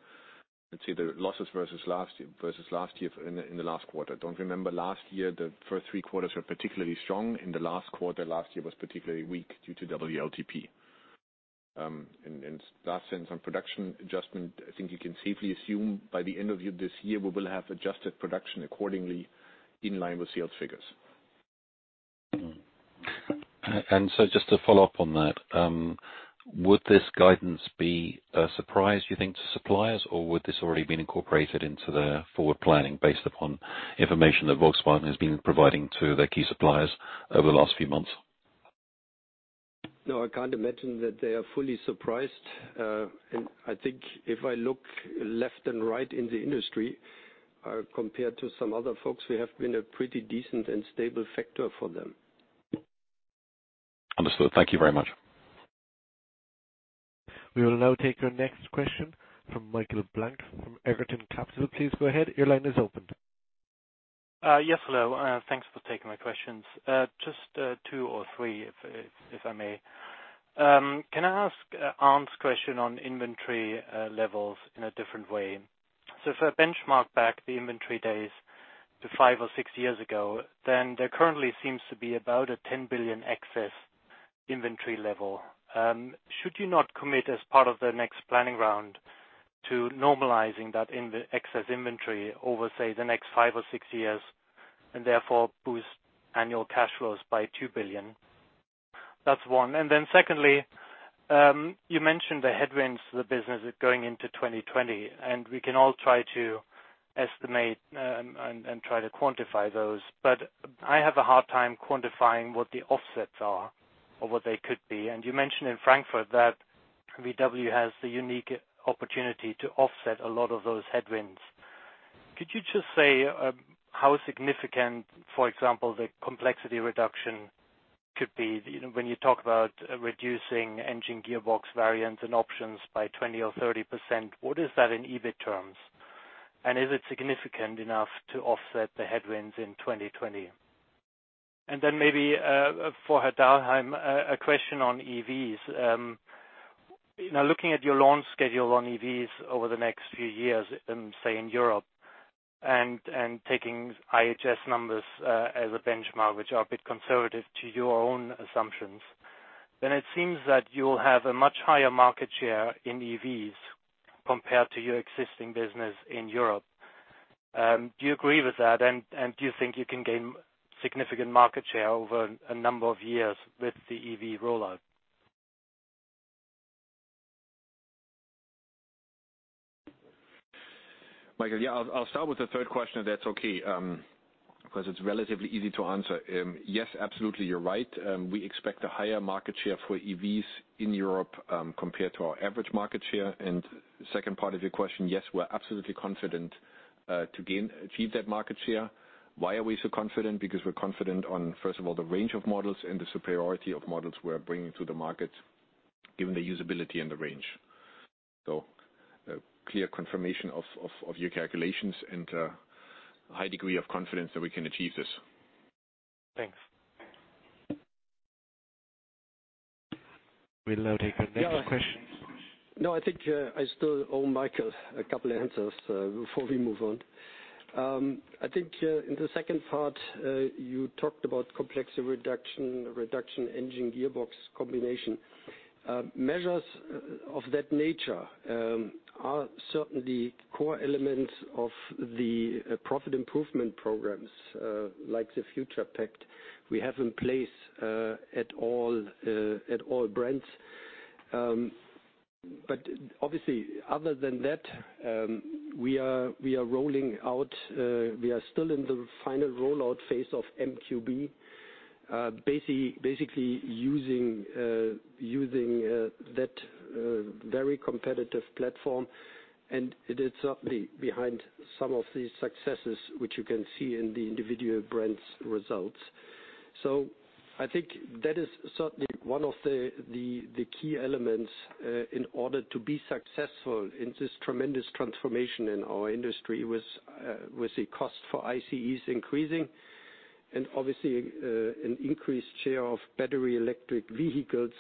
let's say, the losses versus last year in the last quarter. Don't remember last year, the first three quarters were particularly strong. In the last quarter, last year was particularly weak due to WLTP. That's in some production adjustment. I think you can safely assume by the end of this year, we will have adjusted production accordingly in line with sales figures. Just to follow up on that, would this guidance be a surprise, you think, to suppliers, or would this already been incorporated into their forward planning based upon information that Volkswagen has been providing to their key suppliers over the last few months? No, I can't imagine that they are fully surprised. I think if I look left and right in the industry, compared to some other folks, we have been a pretty decent and stable factor for them. Understood. Thank you very much. We will now take our next question from Michael Blank from Egerton Capital. Please go ahead. Your line is open. Hello. Thanks for taking my questions. Two or three, if I may. Can I ask Arndt's question on inventory levels in a different way? If I benchmark back the inventory days to five or six years ago, there currently seems to be about a 10 billion excess inventory level. Should you not commit as part of the next Planning Round 67 to normalizing that excess inventory over, say, the next five or six years, and therefore boost annual cash flows by 2 billion? That's one. Secondly, you mentioned the headwinds the business is going into 2020. We can all try to estimate and try to quantify those. I have a hard time quantifying what the offsets are or what they could be. You mentioned in Frankfurt that VW has the unique opportunity to offset a lot of those headwinds. Could you just say how significant, for example, the complexity reduction could be? When you talk about reducing engine gearbox variants and options by 20% or 30%, what is that in EBIT terms? Is it significant enough to offset the headwinds in 2020? Then maybe for Christian Dahlheim, a question on EVs. Looking at your launch schedule on EVs over the next few years, say in Europe, and taking IHS numbers as a benchmark, which are a bit conservative to your own assumptions, then it seems that you will have a much higher market share in EVs compared to your existing business in Europe. Do you agree with that, and do you think you can gain significant market share over a number of years with the EV rollout? Michael, yeah, I'll start with the third question if that's okay, because it's relatively easy to answer. Yes, absolutely, you're right. We expect a higher market share for EVs in Europe compared to our average market share. Second part of your question, yes, we're absolutely confident to achieve that market share. Why are we so confident? Because we're confident on, first of all, the range of models and the superiority of models we are bringing to the market given the usability and the range. A clear confirmation of your calculations and a high degree of confidence that we can achieve this. Thanks. We'll now take our next question. I think I still owe Michael a couple of answers before we move on. I think in the second part, you talked about complexity reduction engine gearbox combination. Measures of that nature are certainly core elements of the profit improvement programs like the Future Pact we have in place at all brands. Obviously other than that, we are still in the final rollout phase of MQB. Basically using that very competitive platform, it is certainly behind some of the successes which you can see in the individual brands results. I think that is certainly one of the key elements in order to be successful in this tremendous transformation in our industry with the cost for ICEs increasing and obviously an increased share of Battery Electric Vehicles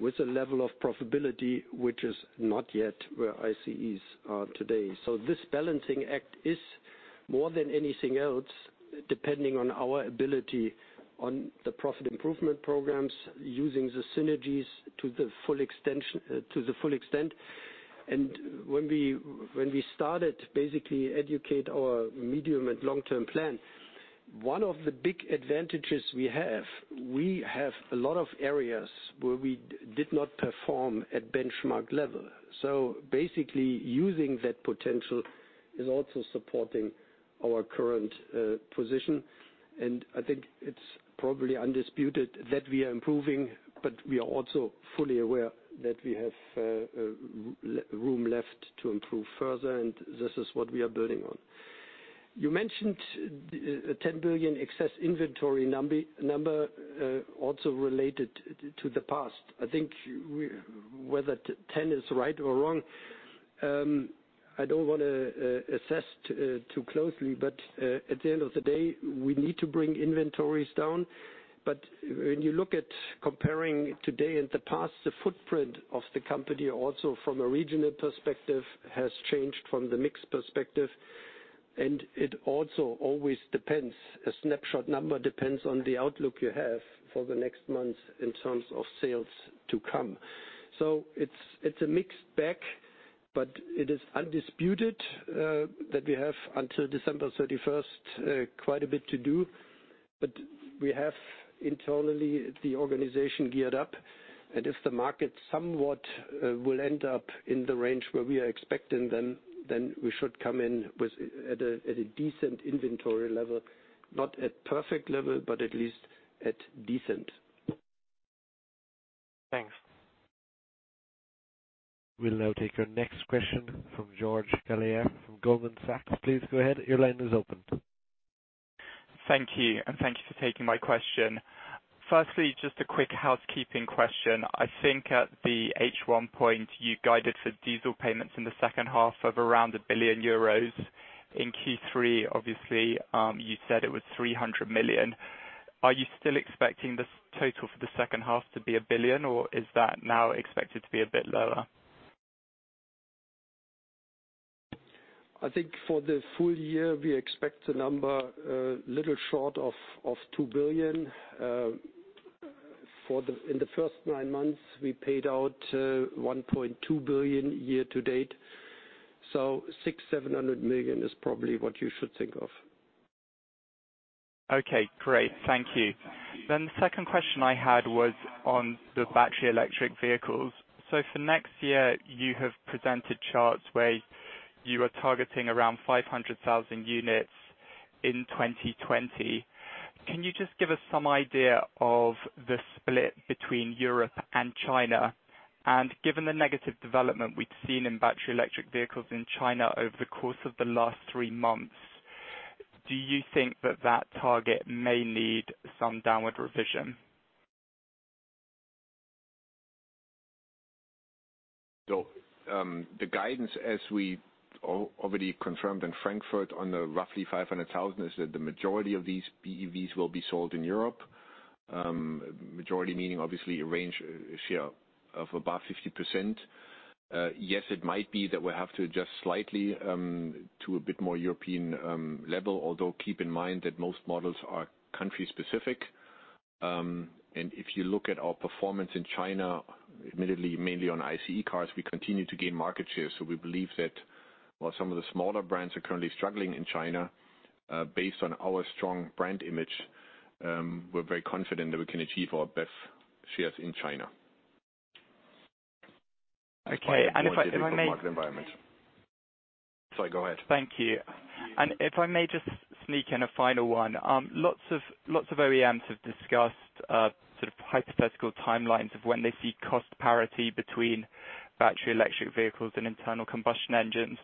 with a level of profitability which is not yet where ICEs are today. This balancing act is more than anything else, depending on our ability on the profit improvement programs, using the synergies to the full extent. When we started basically educate our medium and long-term plan, one of the big advantages we have, we have a lot of areas where we did not perform at benchmark level. Basically using that potential is also supporting our current position, and I think it's probably undisputed that we are improving, but we are also fully aware that we have room left to improve further, and this is what we are building on. You mentioned a 10 billion excess inventory number also related to the past. I think whether 10 is right or wrong, I don't want to assess too closely, but at the end of the day, we need to bring inventories down. When you look at comparing today and the past, the footprint of the company also from a regional perspective, has changed from the mix perspective, and it also always depends, a snapshot number depends on the outlook you have for the next month in terms of sales to come. It's a mixed bag, but it is undisputed that we have until December 31st quite a bit to do, but we have internally the organization geared up, and if the market somewhat will end up in the range where we are expecting, then we should come in at a decent inventory level. Not at perfect level, but at least at decent. Thanks. We'll now take our next question from George Galliers from Goldman Sachs. Please go ahead. Your line is open. Thank you, thank you for taking my question. Firstly, just a quick housekeeping question. I think at the H1 point you guided for diesel payments in the second half of around 1 billion euros. In Q3, obviously, you said it was 300 million. Are you still expecting the total for the second half to be 1 billion, or is that now expected to be a bit lower? I think for the full year, we expect the number a little short of 2 billion. In the first nine months, we paid out 1.2 billion year to date. 600 million, 700 million is probably what you should think of. Okay, great. Thank you. The second question I had was on the battery electric vehicles. For next year, you have presented charts where you are targeting around 500,000 units in 2020. Can you just give us some idea of the split between Europe and China? Given the negative development we've seen in battery electric vehicles in China over the course of the last three months, do you think that that target may need some downward revision? The guidance, as we already confirmed in Frankfurt on the roughly 500,000, is that the majority of these BEVs will be sold in Europe. Majority meaning obviously a range, a share of above 50%. Yes, it might be that we have to adjust slightly, to a bit more European level, although keep in mind that most models are country specific. If you look at our performance in China, admittedly mainly on ICE cars, we continue to gain market share. We believe that while some of the smaller brands are currently struggling in China, based on our strong brand image, we're very confident that we can achieve our best shares in China. Okay. And if I may- Sorry, go ahead. Thank you. If I may just sneak in a final one. Lots of OEMs have discussed hypothetical timelines of when they see cost parity between battery electric vehicles and internal combustion engines.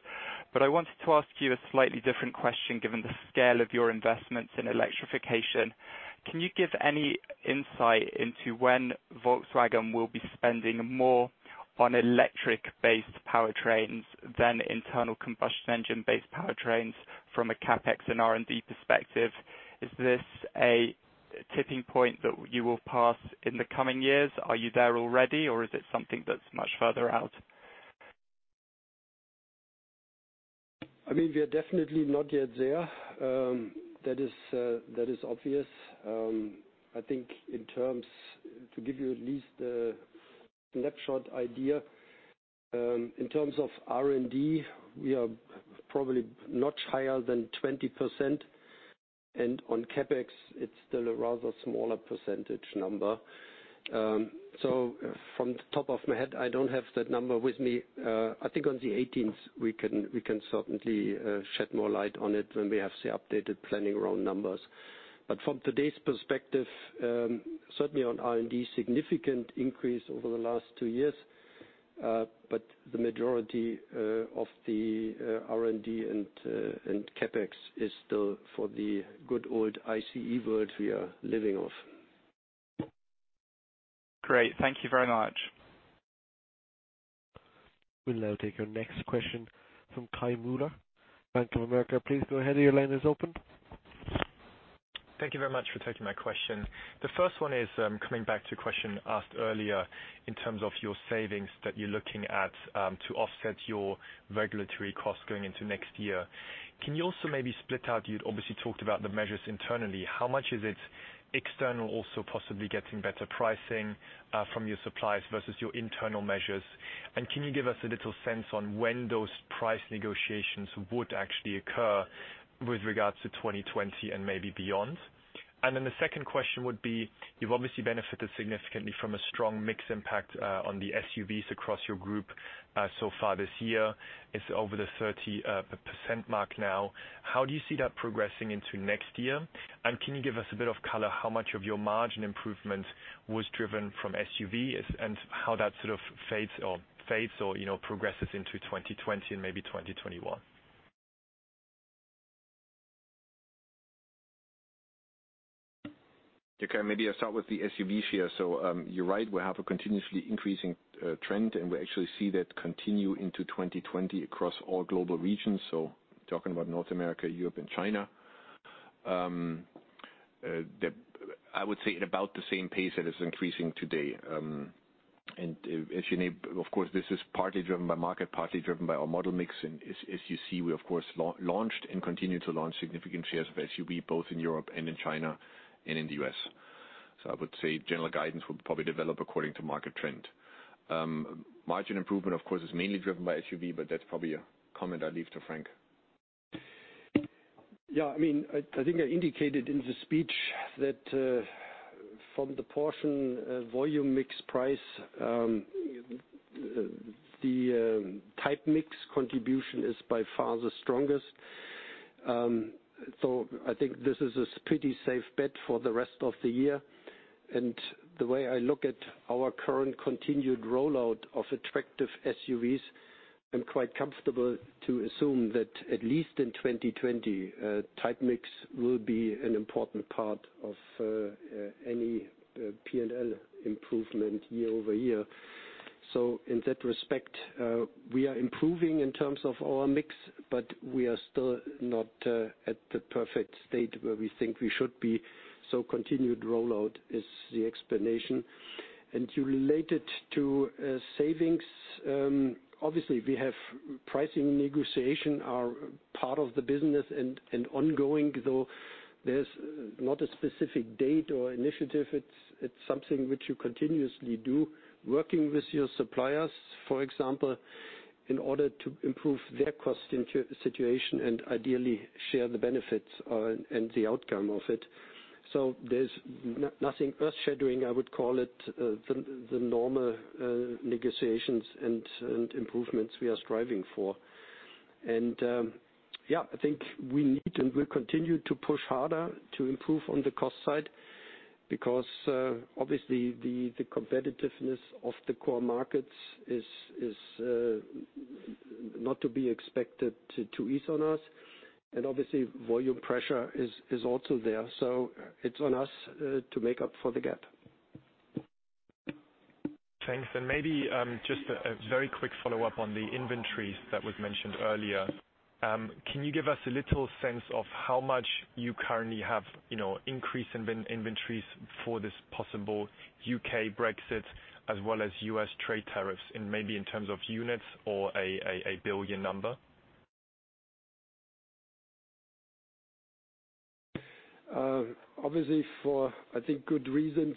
I wanted to ask you a slightly different question, given the scale of your investments in electrification. Can you give any insight into when Volkswagen will be spending more on electric-based powertrains than internal combustion engine-based powertrains from a CapEx and R&D perspective? Is this a tipping point that you will pass in the coming years? Are you there already, or is it something that's much further out? I mean, we are definitely not yet there. That is obvious. I think in terms, to give you at least a snapshot idea, in terms of R&D, we are probably not higher than 20%, and on CapEx, it's still a rather smaller percentage number. From the top of my head, I don't have that number with me. I think on the 18th we can certainly shed more light on it when we have the updated planning round numbers. From today's perspective, certainly on R&D, significant increase over the last two years. The majority of the R&D and CapEx is still for the good old ICE world we are living off. Great. Thank you very much. We'll now take our next question from Kai Mueller, Bank of America. Please go ahead. Your line is open. Thank you very much for taking my question. The first one is, coming back to a question asked earlier in terms of your savings that you're looking at to offset your regulatory costs going into next year. Can you also maybe split out, you'd obviously talked about the measures internally. How much is it external also possibly getting better pricing from your suppliers versus your internal measures? Can you give us a little sense on when those price negotiations would actually occur with regards to 2020 and maybe beyond? The second question would be, you've obviously benefited significantly from a strong mix impact on the SUVs across your group so far this year. It's over the 30% mark now. How do you see that progressing into next year? Can you give us a bit of color how much of your margin improvement was driven from SUV and how that sort of fades or progresses into 2020 and maybe 2021? Maybe I start with the SUV share. You're right, we have a continuously increasing trend, and we actually see that continue into 2020 across all global regions. Talking about North America, Europe, and China. I would say at about the same pace that is increasing today. As you know, of course, this is partly driven by market, partly driven by our model mix. As you see, we of course, launched and continue to launch significant shares of SUV, both in Europe and in China and in the U.S. I would say general guidance will probably develop according to market trend. Margin improvement, of course, is mainly driven by SUV, but that's probably a comment I leave to Frank. Yeah, I think I indicated in the speech that from the portion volume mix price, the type mix contribution is by far the strongest. I think this is a pretty safe bet for the rest of the year. The way I look at our current continued rollout of attractive SUVs, I'm quite comfortable to assume that at least in 2020, type mix will be an important part of any P&L improvement year-over-year. In that respect, we are improving in terms of our mix, but we are still not at the perfect state where we think we should be. Continued rollout is the explanation. You relate it to savings. Obviously we have pricing negotiation are part of the business and ongoing, though there's not a specific date or initiative. It's something which you continuously do, working with your suppliers, for example, in order to improve their cost situation and ideally share the benefits and the outcome of it. There's nothing earth-shattering, I would call it, the normal negotiations and improvements we are striving for. Yeah, I think we'll continue to push harder to improve on the cost side because, obviously the competitiveness of the core markets is not to be expected to ease on us. Obviously volume pressure is also there. It's on us to make up for the gap. Thanks. Maybe just a very quick follow-up on the inventories that was mentioned earlier. Can you give us a little sense of how much you currently have increase in inventories for this possible U.K. Brexit as well as U.S. trade tariffs and maybe in terms of units or a billion number? Obviously for, I think, good reasons,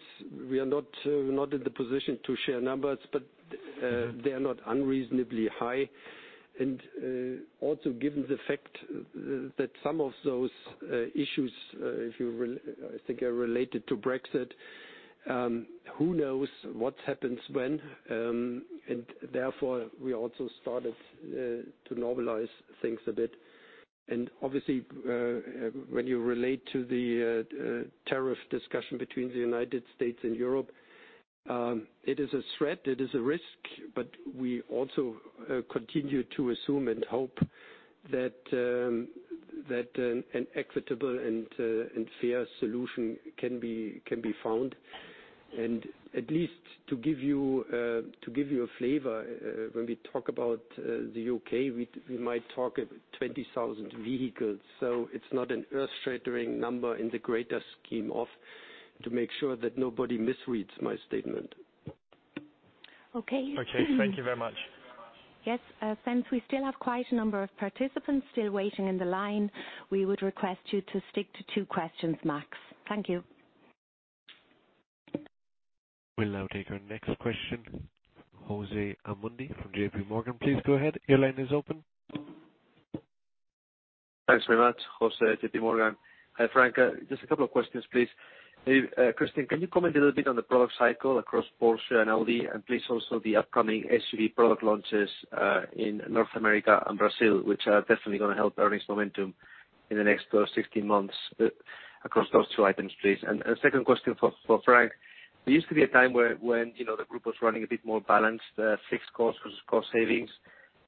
we are not in the position to share numbers, but they are not unreasonably high. Also given the fact that some of those issues, I think, are related to Brexit, who knows what happens when? Therefore, we also started to normalize things a bit. Obviously, when you relate to the tariff discussion between the United States and Europe, it is a threat, it is a risk, but we also continue to assume and hope that an equitable and fair solution can be found. At least to give you a flavor, when we talk about the U.K., we might talk of 20,000 vehicles. It's not an earth-shattering number in the greater scheme of, to make sure that nobody misreads my statement. Okay. Okay. Thank you very much. Yes. Since we still have quite a number of participants still waiting in the line, we would request you to stick to two questions max. Thank you. We'll now take our next question. Jose Asumendi from JPMorgan. Please go ahead. Your line is open. Thanks very much. Jose, JPMorgan. Hi, Frank. Just a couple of questions, please. Christian, can you comment a little bit on the product cycle across Porsche and Audi, and please also the upcoming SUV product launches in North America and Brazil, which are definitely going to help earnings momentum in the next 16 months across those two items, please. A second question for Frank. There used to be a time when the group was running a bit more balanced, fixed costs versus cost savings.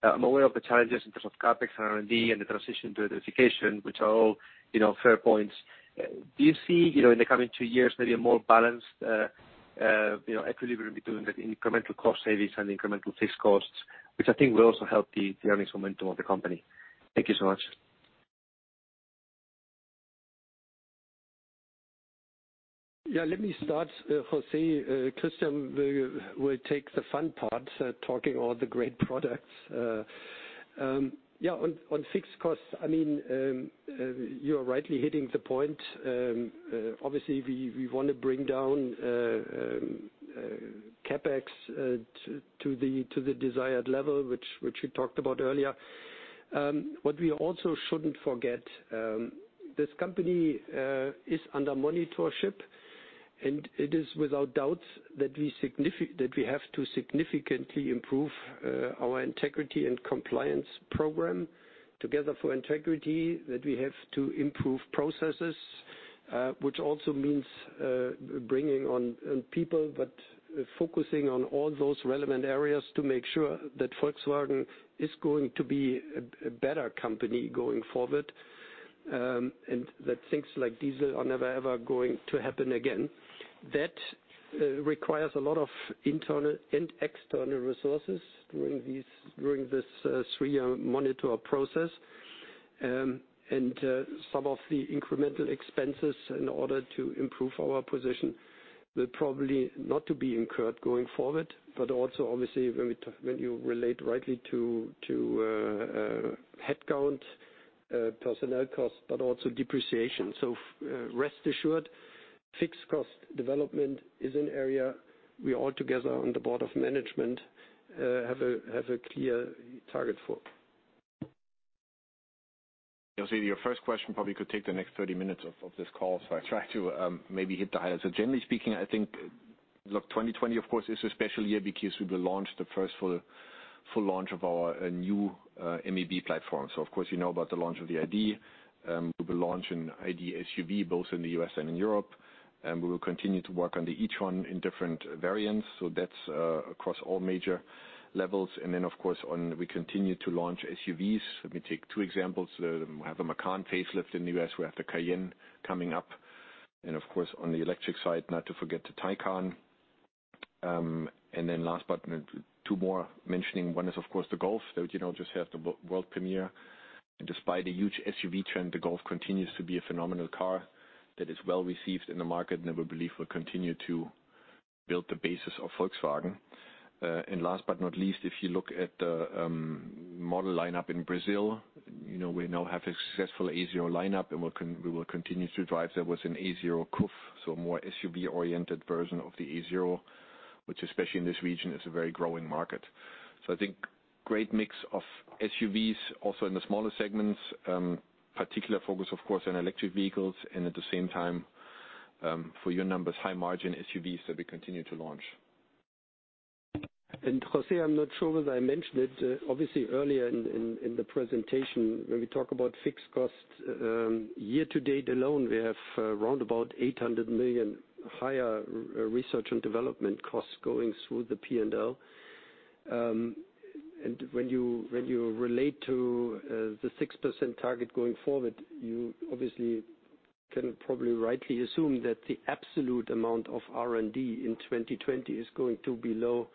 I'm aware of the challenges in terms of CapEx and R&D and the transition to electrification, which are all fair points. Do you see, in the coming two years, maybe a more balanced equilibrium between the incremental cost savings and the incremental fixed costs, which I think will also help the earnings momentum of the company? Thank you so much. Yeah, let me start, Jose. Christian will take the fun part, talking all the great products. Yeah, on fixed costs, you are rightly hitting the point. Obviously, we want to bring down CapEx to the desired level, which we talked about earlier. What we also shouldn't forget, this company is under monitorship, and it is without doubt that we have to significantly improve our integrity and compliance program together for integrity, that we have to improve processes. Which also means bringing on people, but focusing on all those relevant areas to make sure that Volkswagen is going to be a better company going forward, and that things like diesel are never ever going to happen again. That requires a lot of internal and external resources during this three-year monitor process. Some of the incremental expenses in order to improve our position will probably not to be incurred going forward, but also obviously when you relate rightly to headcount, personnel costs, but also depreciation. Rest assured, fixed cost development is an area we all together on the Board of Management have a clear target for. Jose, your first question probably could take the next 30 minutes of this call. I try to maybe hit the highlights. Generally speaking, I think, look, 2020 of course is a special year because we will launch the first full launch of our new MEB platform. Of course, you know about the launch of the ID. We will launch an ID. SUV, both in the U.S. and in Europe. We will continue to work on the e-tron in different variants. That's across all major levels. Of course, we continue to launch SUVs. Let me take two examples. We have the Macan facelift in the U.S., we have the Cayenne coming up. Of course, on the electric side, not to forget the Porsche Taycan. Last, but two more mentioning, one is of course the Golf. You now just had the world premiere. Despite a huge SUV trend, the Golf continues to be a phenomenal car that is well-received in the market and we believe will continue to build the basis of Volkswagen. Last but not least, if you look at the model lineup in Brazil, we now have a successful A0 lineup, and we will continue to drive. There was an A0 Coupe, so a more SUV-oriented version of the A0, which especially in this region, is a very growing market. I think great mix of SUVs also in the smaller segments. Particular focus, of course, on electric vehicles and at the same time, for your numbers, high margin SUVs that we continue to launch. Jose, I'm not sure whether I mentioned it, obviously earlier in the presentation, when we talk about fixed costs, year to date alone, we have around about 800 million higher research and development costs going through the P&L. When you relate to the 6% target going forward, you obviously can probably rightly assume that the absolute amount of R&D in 2020 is going to be below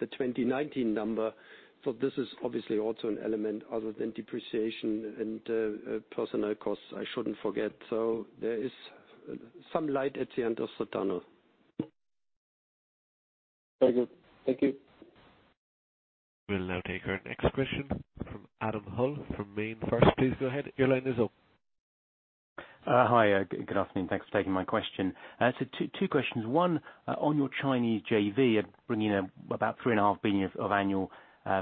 the 2019 number. This is obviously also an element other than depreciation and personnel costs I shouldn't forget. There is some light at the end of the tunnel. Very good. Thank you. We'll now take our next question from Adam Hull from MainFirst. Please go ahead. Your line is open. Hi, good afternoon. Thanks for taking my question. Two questions. One, on your Chinese JV, bringing in about 3.5 Billion of annual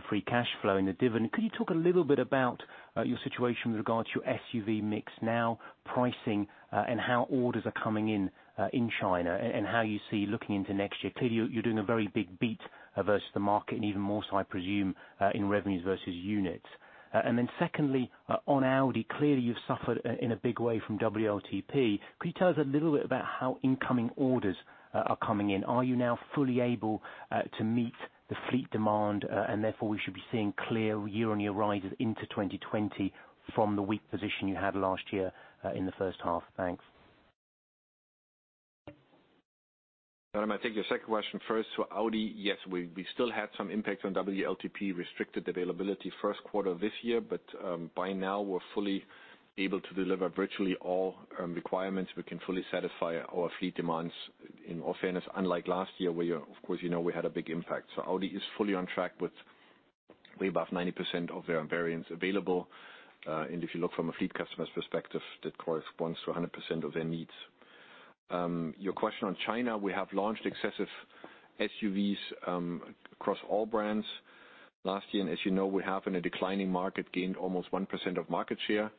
free cash flow in the dividend, could you talk a little bit about your situation with regard to your SUV mix now, pricing, and how orders are coming in in China, and how you see looking into next year? Clearly, you're doing a very big beat versus the market and even more so I presume, in revenues versus units. Secondly, on Audi, clearly you've suffered in a big way from WLTP. Could you tell us a little bit about how incoming orders are coming in? Are you now fully able to meet the fleet demand, and therefore we should be seeing clear year-on-year rises into 2020 from the weak position you had last year in the first half? Thanks. Adam, I take your second question first. Audi, yes, we still had some impact on WLTP restricted availability first quarter of this year, but by now we're fully able to deliver virtually all requirements. We can fully satisfy our fleet demands in all fairness, unlike last year, where of course, you know we had a big impact. Audi is fully on track with way above 90% of their variants available. If you look from a fleet customer's perspective, that corresponds to 100% of their needs. Your question on China, we have launched excessive SUVs across all brands. Last year, and as you know, we have in a declining market gained almost 1% of market share.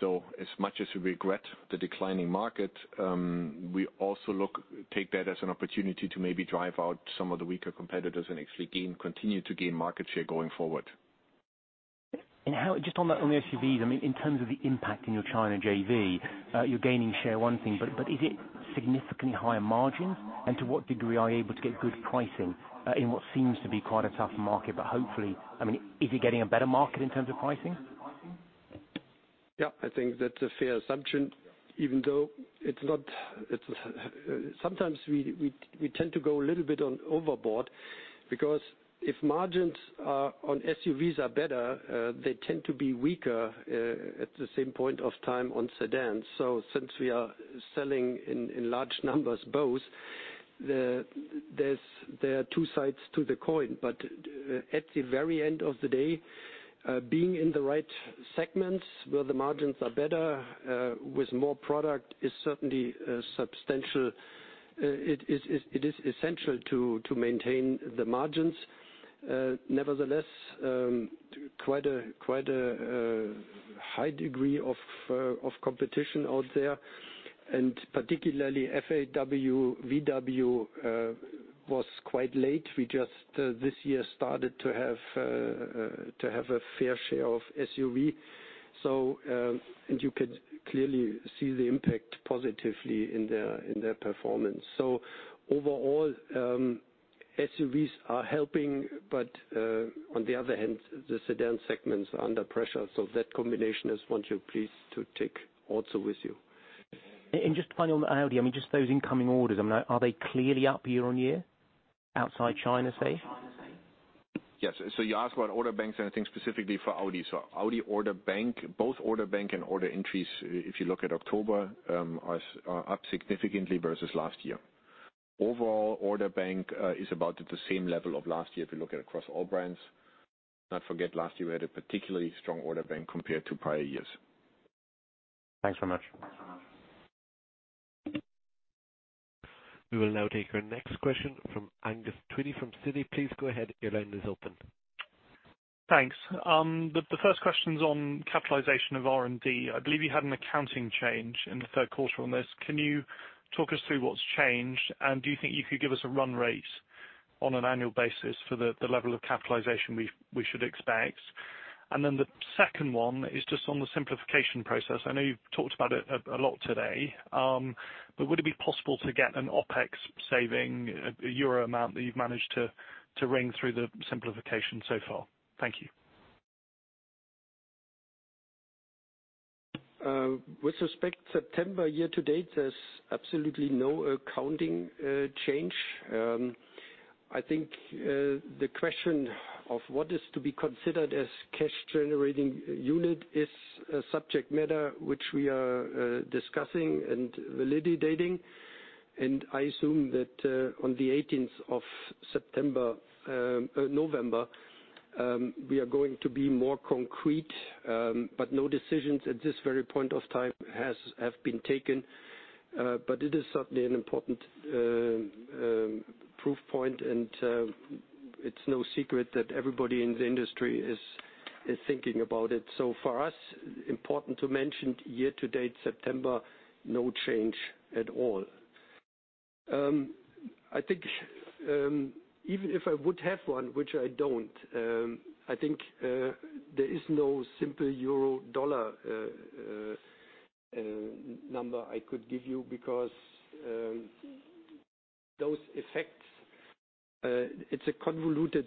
As much as we regret the declining market, we also take that as an opportunity to maybe drive out some of the weaker competitors and actually continue to gain market share going forward. How, just on the SUVs, I mean, in terms of the impact in your China JV, you're gaining share one thing, but is it significantly higher margin? To what degree are you able to get good pricing in what seems to be quite a tough market, but hopefully, I mean, is it getting a better market in terms of pricing? Yeah, I think that's a fair assumption, even though sometimes we tend to go a little bit overboard because if margins on SUVs are better, they tend to be weaker at the same point of time on sedans. Since we are selling in large numbers both, there are two sides to the coin. At the very end of the day, being in the right segments where the margins are better with more product is certainly substantial. It is essential to maintain the margins. Nevertheless, quite a high degree of competition out there and particularly FAW-VW was quite late. We just this year started to have a fair share of SUV. You could clearly see the impact positively in their performance. Overall, SUVs are helping, but on the other hand, the sedan segments are under pressure. That combination is one to please to take also with you. Just finally on the Audi, I mean, just those incoming orders, are they clearly up year-on-year outside China, say? Yes. You ask about order banks, and I think specifically for Audi. Audi order bank, both order bank and order entries, if you look at October, are up significantly versus last year. Overall order bank is about at the same level of last year if you look at across all brands. Not forget last year we had a particularly strong order bank compared to prior years. Thanks so much. We will now take our next question from Angus Tweedie from Citi. Please go ahead. Your line is open. Thanks. The first question's on capitalization of R&D. I believe you had an accounting change in the third quarter on this. Can you talk us through what's changed, and do you think you could give us a run rate on an annual basis for the level of capitalization we should expect? Then the second one is just on the simplification process. I know you've talked about it a lot today. But would it be possible to get an OpEx saving, a EUR amount that you've managed to ring through the simplification so far? Thank you. With respect to September year to date, there's absolutely no accounting change. I think the question of what is to be considered as cash generating unit is a subject matter which we are discussing and validating. I assume that on the 18th of November, we are going to be more concrete, no decisions at this very point of time have been taken. It is certainly an important proof point, and it's no secret that everybody in the industry is thinking about it. For us, important to mention, year to date September, no change at all. I think, even if I would have one, which I don't, I think there is no simple euro-dollar number I could give you because those effects, it's a convoluted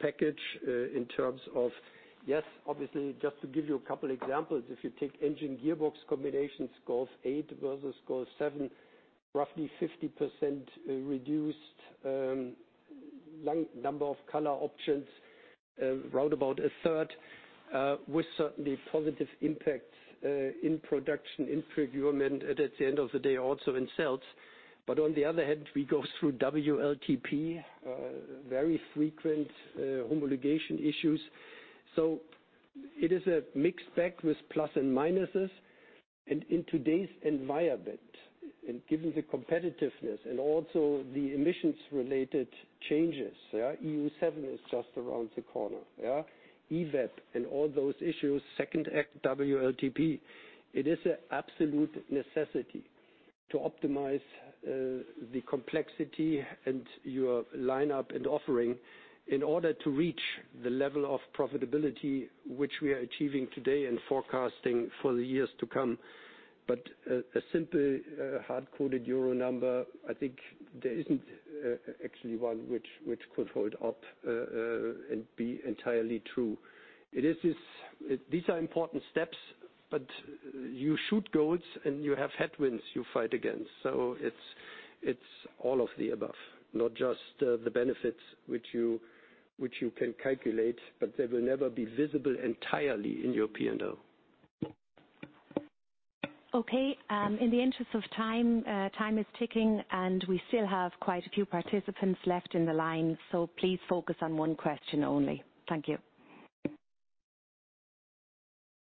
package in terms of, yes, obviously, just to give you a couple examples. If you take engine gearbox combinations, Golf 8 versus Golf 7, roughly 50% reduced number of color options, around about a third, with certainly positive impacts in production, in procurement at the end of the day, also in sales. On the other hand, we go through WLTP, very frequent homologation issues. It is a mixed bag with plus and minuses. In today's environment, and given the competitiveness and also the emissions-related changes. Euro 7 is just around the corner. EVAP and all those issues, second act WLTP. It is an absolute necessity to optimize the complexity and your lineup and offering in order to reach the level of profitability which we are achieving today and forecasting for the years to come. A simple hard-coded euro number, I think there isn't actually one which could hold up and be entirely true. These are important steps, but you shoot goals, and you have headwinds you fight against, so it is all of the above. Not just the benefits which you can calculate, but they will never be visible entirely in your P&L. Okay. In the interest of time is ticking, and we still have quite a few participants left in the line, so please focus on one question only. Thank you.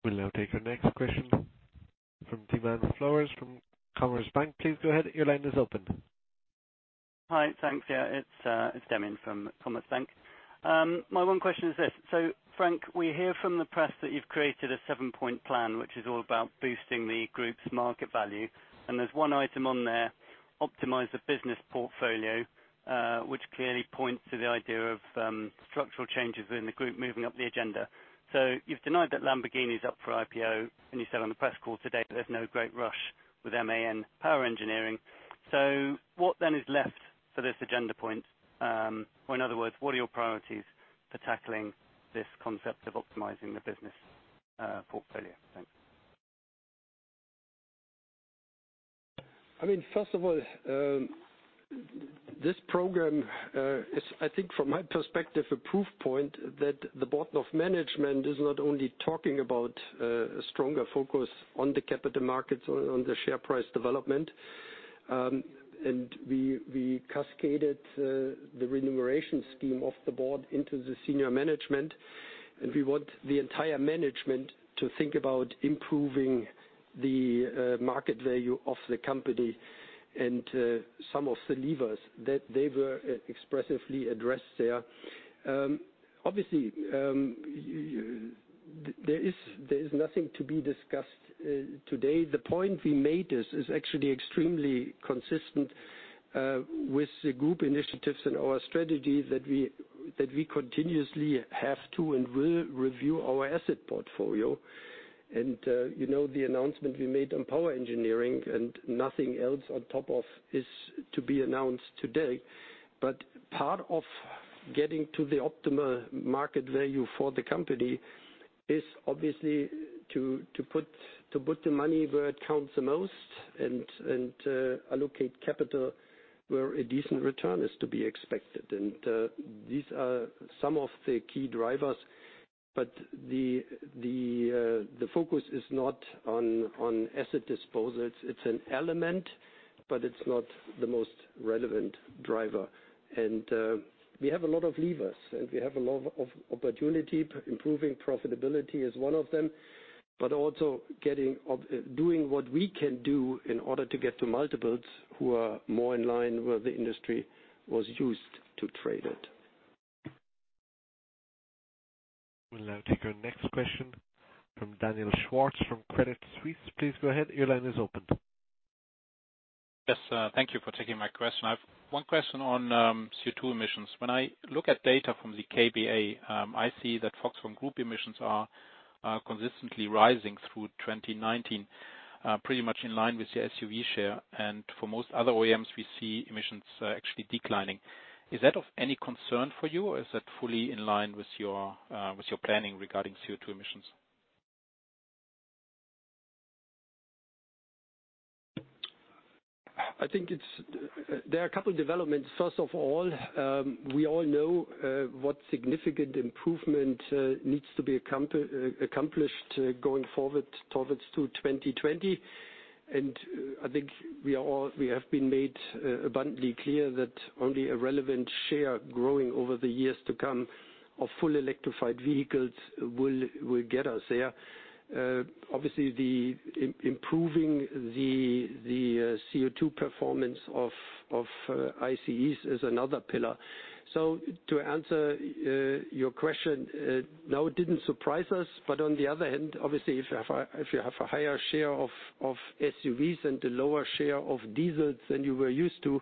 We'll now take our next question from Demian Flowers from Commerzbank. Please go ahead. Your line is open. Hi, thanks. Yeah, it's Demian from Commerzbank. My one question is this: Frank, we hear from the press that you've created a seven-point plan, which is all about boosting the group's market value, and there's one item on there, optimize the business portfolio, which clearly points to the idea of structural changes in the group moving up the agenda. You've denied that Lamborghini is up for IPO, and you said on the press call today that there's no great rush with MAN Energy Solutions. What then is left for this agenda point? In other words, what are your priorities for tackling this concept of optimizing the business portfolio? Thanks. First of all, this program is, I think from my perspective, a proof point that the board of management is not only talking about a stronger focus on the capital markets or on the share price development. We cascaded the remuneration scheme of the board into the senior management, and we want the entire management to think about improving the market value of the company and some of the levers that they were expressively addressed there. Obviously, there is nothing to be discussed today. The point we made is actually extremely consistent with the group initiatives and our strategy that we continuously have to and will review our asset portfolio. You know the announcement we made on Power Engineering and nothing else on top of is to be announced today. Part of getting to the optimal market value for the company is obviously to put the money where it counts the most and allocate capital where a decent return is to be expected. These are some of the key drivers, but the focus is not on asset disposals. It's an element, but it's not the most relevant driver. We have a lot of levers, and we have a lot of opportunity. Improving profitability is one of them, but also doing what we can do in order to get to multiples who are more in line where the industry was used to trade at. We'll now take our next question from Daniel Schwarz from Credit Suisse. Please go ahead. Your line is open. Yes, thank you for taking my question. I have one question on CO2 emissions. When I look at data from the KBA, I see that Volkswagen Group emissions are consistently rising through 2019, pretty much in line with the SUV share. For most other OEMs, we see emissions actually declining. Is that of any concern for you, or is that fully in line with your planning regarding CO2 emissions? I think there are a couple developments. First of all, we all know what significant improvement needs to be accomplished going forward towards to 2020. And I think we have been made abundantly clear that only a relevant share growing over the years to come of full electrified vehicles will get us there. Obviously, improving the CO2 performance of ICEs is another pillar. To answer your question, no, it didn't surprise us. On the other hand, obviously, if you have a higher share of SUVs and a lower share of diesels than you were used to,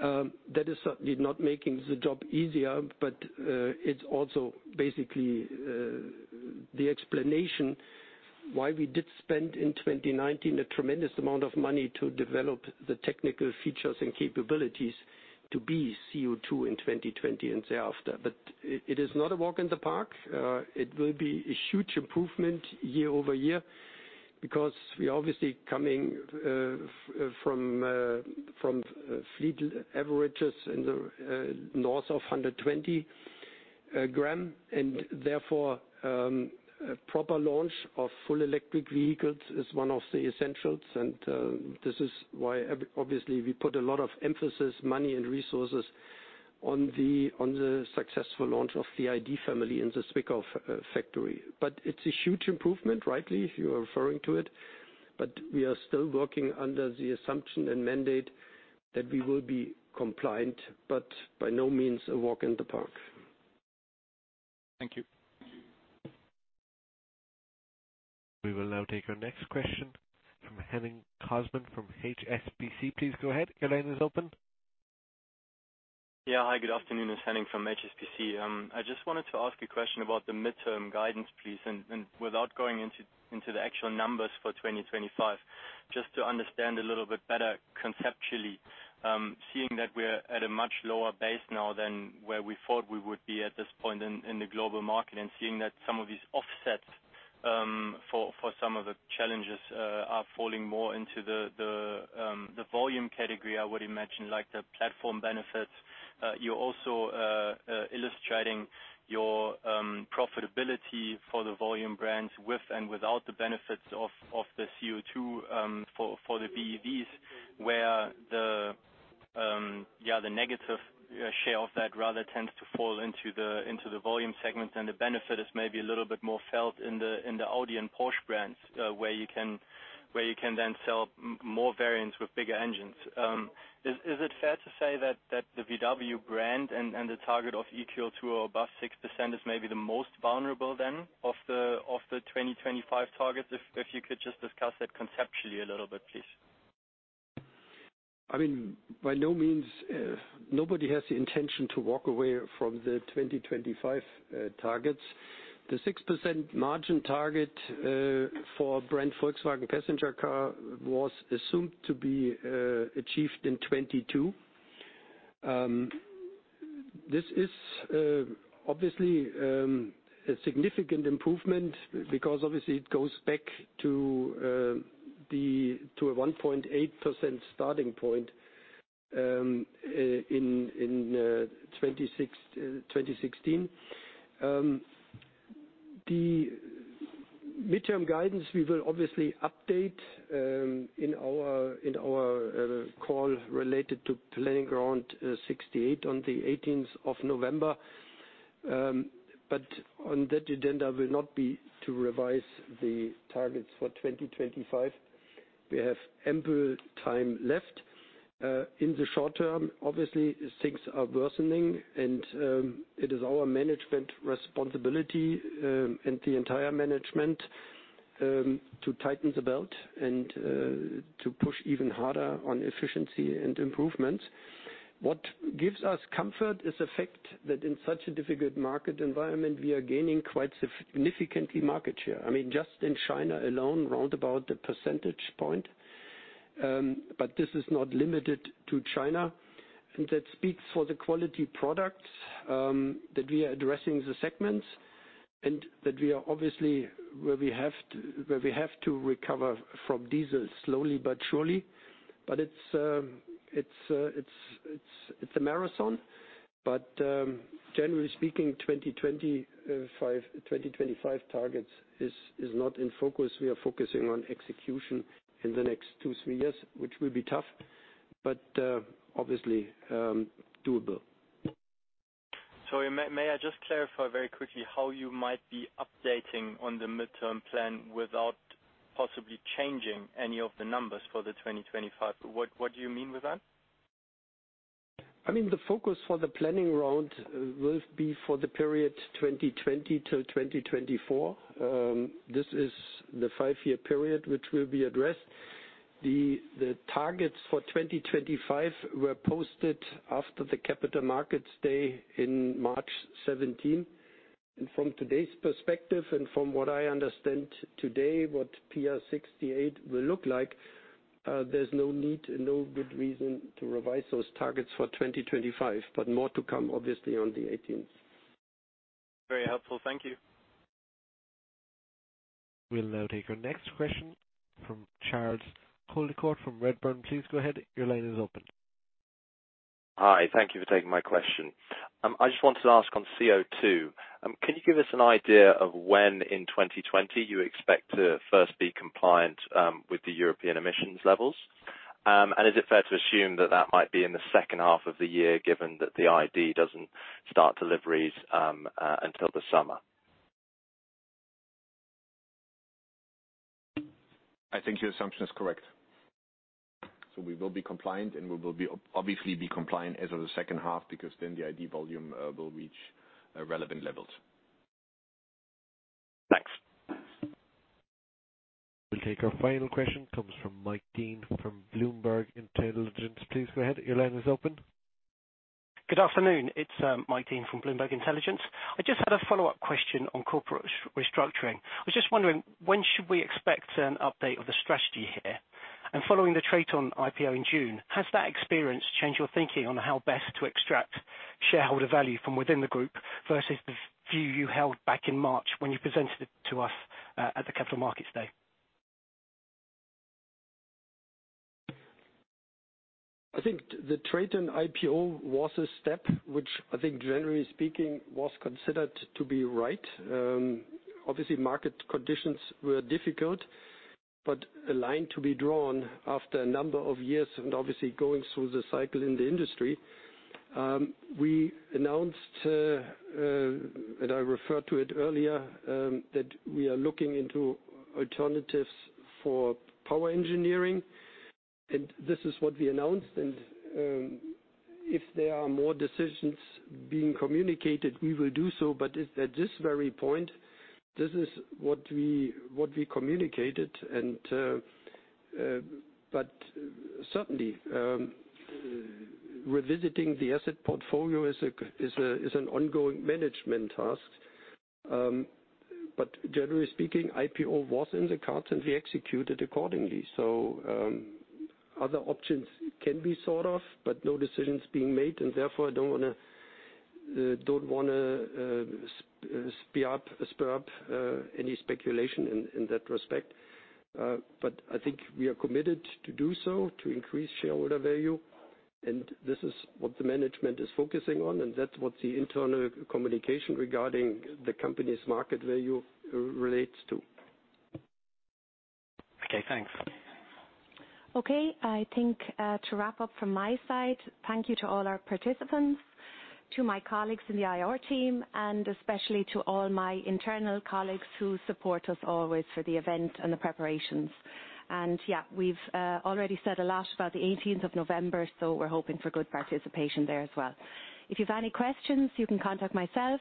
that is certainly not making the job easier. It's also basically the explanation why we did spend, in 2019, a tremendous amount of money to develop the technical features and capabilities to be CO2 in 2020 and thereafter. It is not a walk in the park. It will be a huge improvement year-over-year because we are obviously coming from fleet averages in the north of 120 gram, and therefore proper launch of full electric vehicles is one of the essentials. This is why obviously we put a lot of emphasis, money, and resources on the successful launch of the ID. family in the Zwickau factory. It's a huge improvement, rightly, if you are referring to it. We are still working under the assumption and mandate that we will be compliant, but by no means a walk in the park. Thank you. We will now take our next question from Henning Cosman from HSBC. Please go ahead. Your line is open. Yeah. Hi, good afternoon. It's Henning from HSBC. I just wanted to ask a question about the midterm guidance, please, and without going into the actual numbers for 2025, just to understand a little bit better conceptually, seeing that we're at a much lower base now than where we thought we would be at this point in the global market, and seeing that some of these offsets for some of the challenges are falling more into the volume category, I would imagine, like the platform benefits. You're also illustrating your profitability for the volume brands with and without the benefits of the CO2 for the BEVs, where the negative share of that rather tends to fall into the volume segments and the benefit is maybe a little bit more felt in the Audi and Porsche brands where you can then sell more variants with bigger engines. Is it fair to say that the VW brand and the target of [e-CO2 above 6% is maybe the most vulnerable then of the 2025 targets? If you could just discuss that conceptually a little bit, please. By no means, nobody has the intention to walk away from the 2025 targets. The 6% margin target for brand Volkswagen Passenger Cars was assumed to be achieved in 2022. This is obviously a significant improvement because obviously it goes back to a 1.8% starting point in 2016. The midterm guidance we will obviously update in our call related to Planning Round 68 on the 18th of November. On that agenda will not be to revise the targets for 2025. We have ample time left. In the short term, obviously, things are worsening, and it is our management responsibility and the entire management to tighten the belt and to push even harder on efficiency and improvements. What gives us comfort is the fact that in such a difficult market environment, we are gaining quite significantly market share. Just in China alone, roundabout a percentage point, but this is not limited to China, and that speaks for the quality products that we are addressing the segments and that we are obviously where we have to recover from diesel slowly but surely. It's a marathon. Generally speaking, 2025 targets is not in focus. We are focusing on execution in the next two, three years, which will be tough, but obviously doable. Sorry, may I just clarify very quickly how you might be updating on the midterm plan without possibly changing any of the numbers for 2025? What do you mean with that? The focus for the Planning Round will be for the period 2020-2024. This is the five-year period which will be addressed. The targets for 2025 were posted after the Capital Markets Day in March 2017. From today's perspective and from what I understand today, what PR 68 will look like, there's no need and no good reason to revise those targets for 2025. More to come, obviously, on the 18th. Very helpful. Thank you. We'll now take our next question from Charles Coldicott from Redburn. Please go ahead. Your line is open. Hi. Thank you for taking my question. I just wanted to ask on CO2. Can you give us an idea of when in 2020 you expect to first be compliant with the European emissions levels? Is it fair to assume that that might be in the second half of the year, given that the ID. doesn't start deliveries until the summer? I think your assumption is correct. We will be compliant, and we will obviously be compliant as of the second half because then the ID. volume will reach relevant levels. Thanks. We'll take our final question, comes from Mike Dean from Bloomberg Intelligence. Please go ahead. Your line is open. Good afternoon. It's Mike Dean from Bloomberg Intelligence. I just had a follow-up question on corporate restructuring. I was just wondering, when should we expect an update of the strategy here? Following the TRATON IPO in June, has that experience changed your thinking on how best to extract shareholder value from within the group versus the view you held back in March when you presented it to us at the Capital Markets Day? I think the TRATON IPO was a step which I think, generally speaking, was considered to be right. Obviously, market conditions were difficult, but a line to be drawn after a number of years and obviously going through the cycle in the industry. We announced, and I referred to it earlier, that we are looking into alternatives for Power Engineering, and this is what we announced. If there are more decisions being communicated, we will do so, but at this very point, this is what we communicated. Certainly, revisiting the asset portfolio is an ongoing management task. Generally speaking, IPO was in the cards, and we executed accordingly. Other options can be thought of, but no decisions being made, and therefore, I don't want to spur any speculation in that respect. I think we are committed to do so, to increase shareholder value, and this is what the management is focusing on, and that's what the internal communication regarding the company's market value relates to. Okay, thanks. Okay, I think to wrap up from my side, thank you to all our participants, to my colleagues in the IR team, and especially to all my internal colleagues who support us always for the event and the preparations. We've already said a lot about the 18th of November, so we're hoping for good participation there as well. If you've any questions, you can contact myself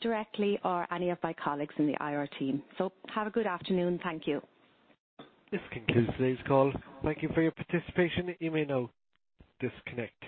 directly or any of my colleagues in the IR team. Have a good afternoon. Thank you. This concludes today's call. Thank you for your participation. You may now disconnect.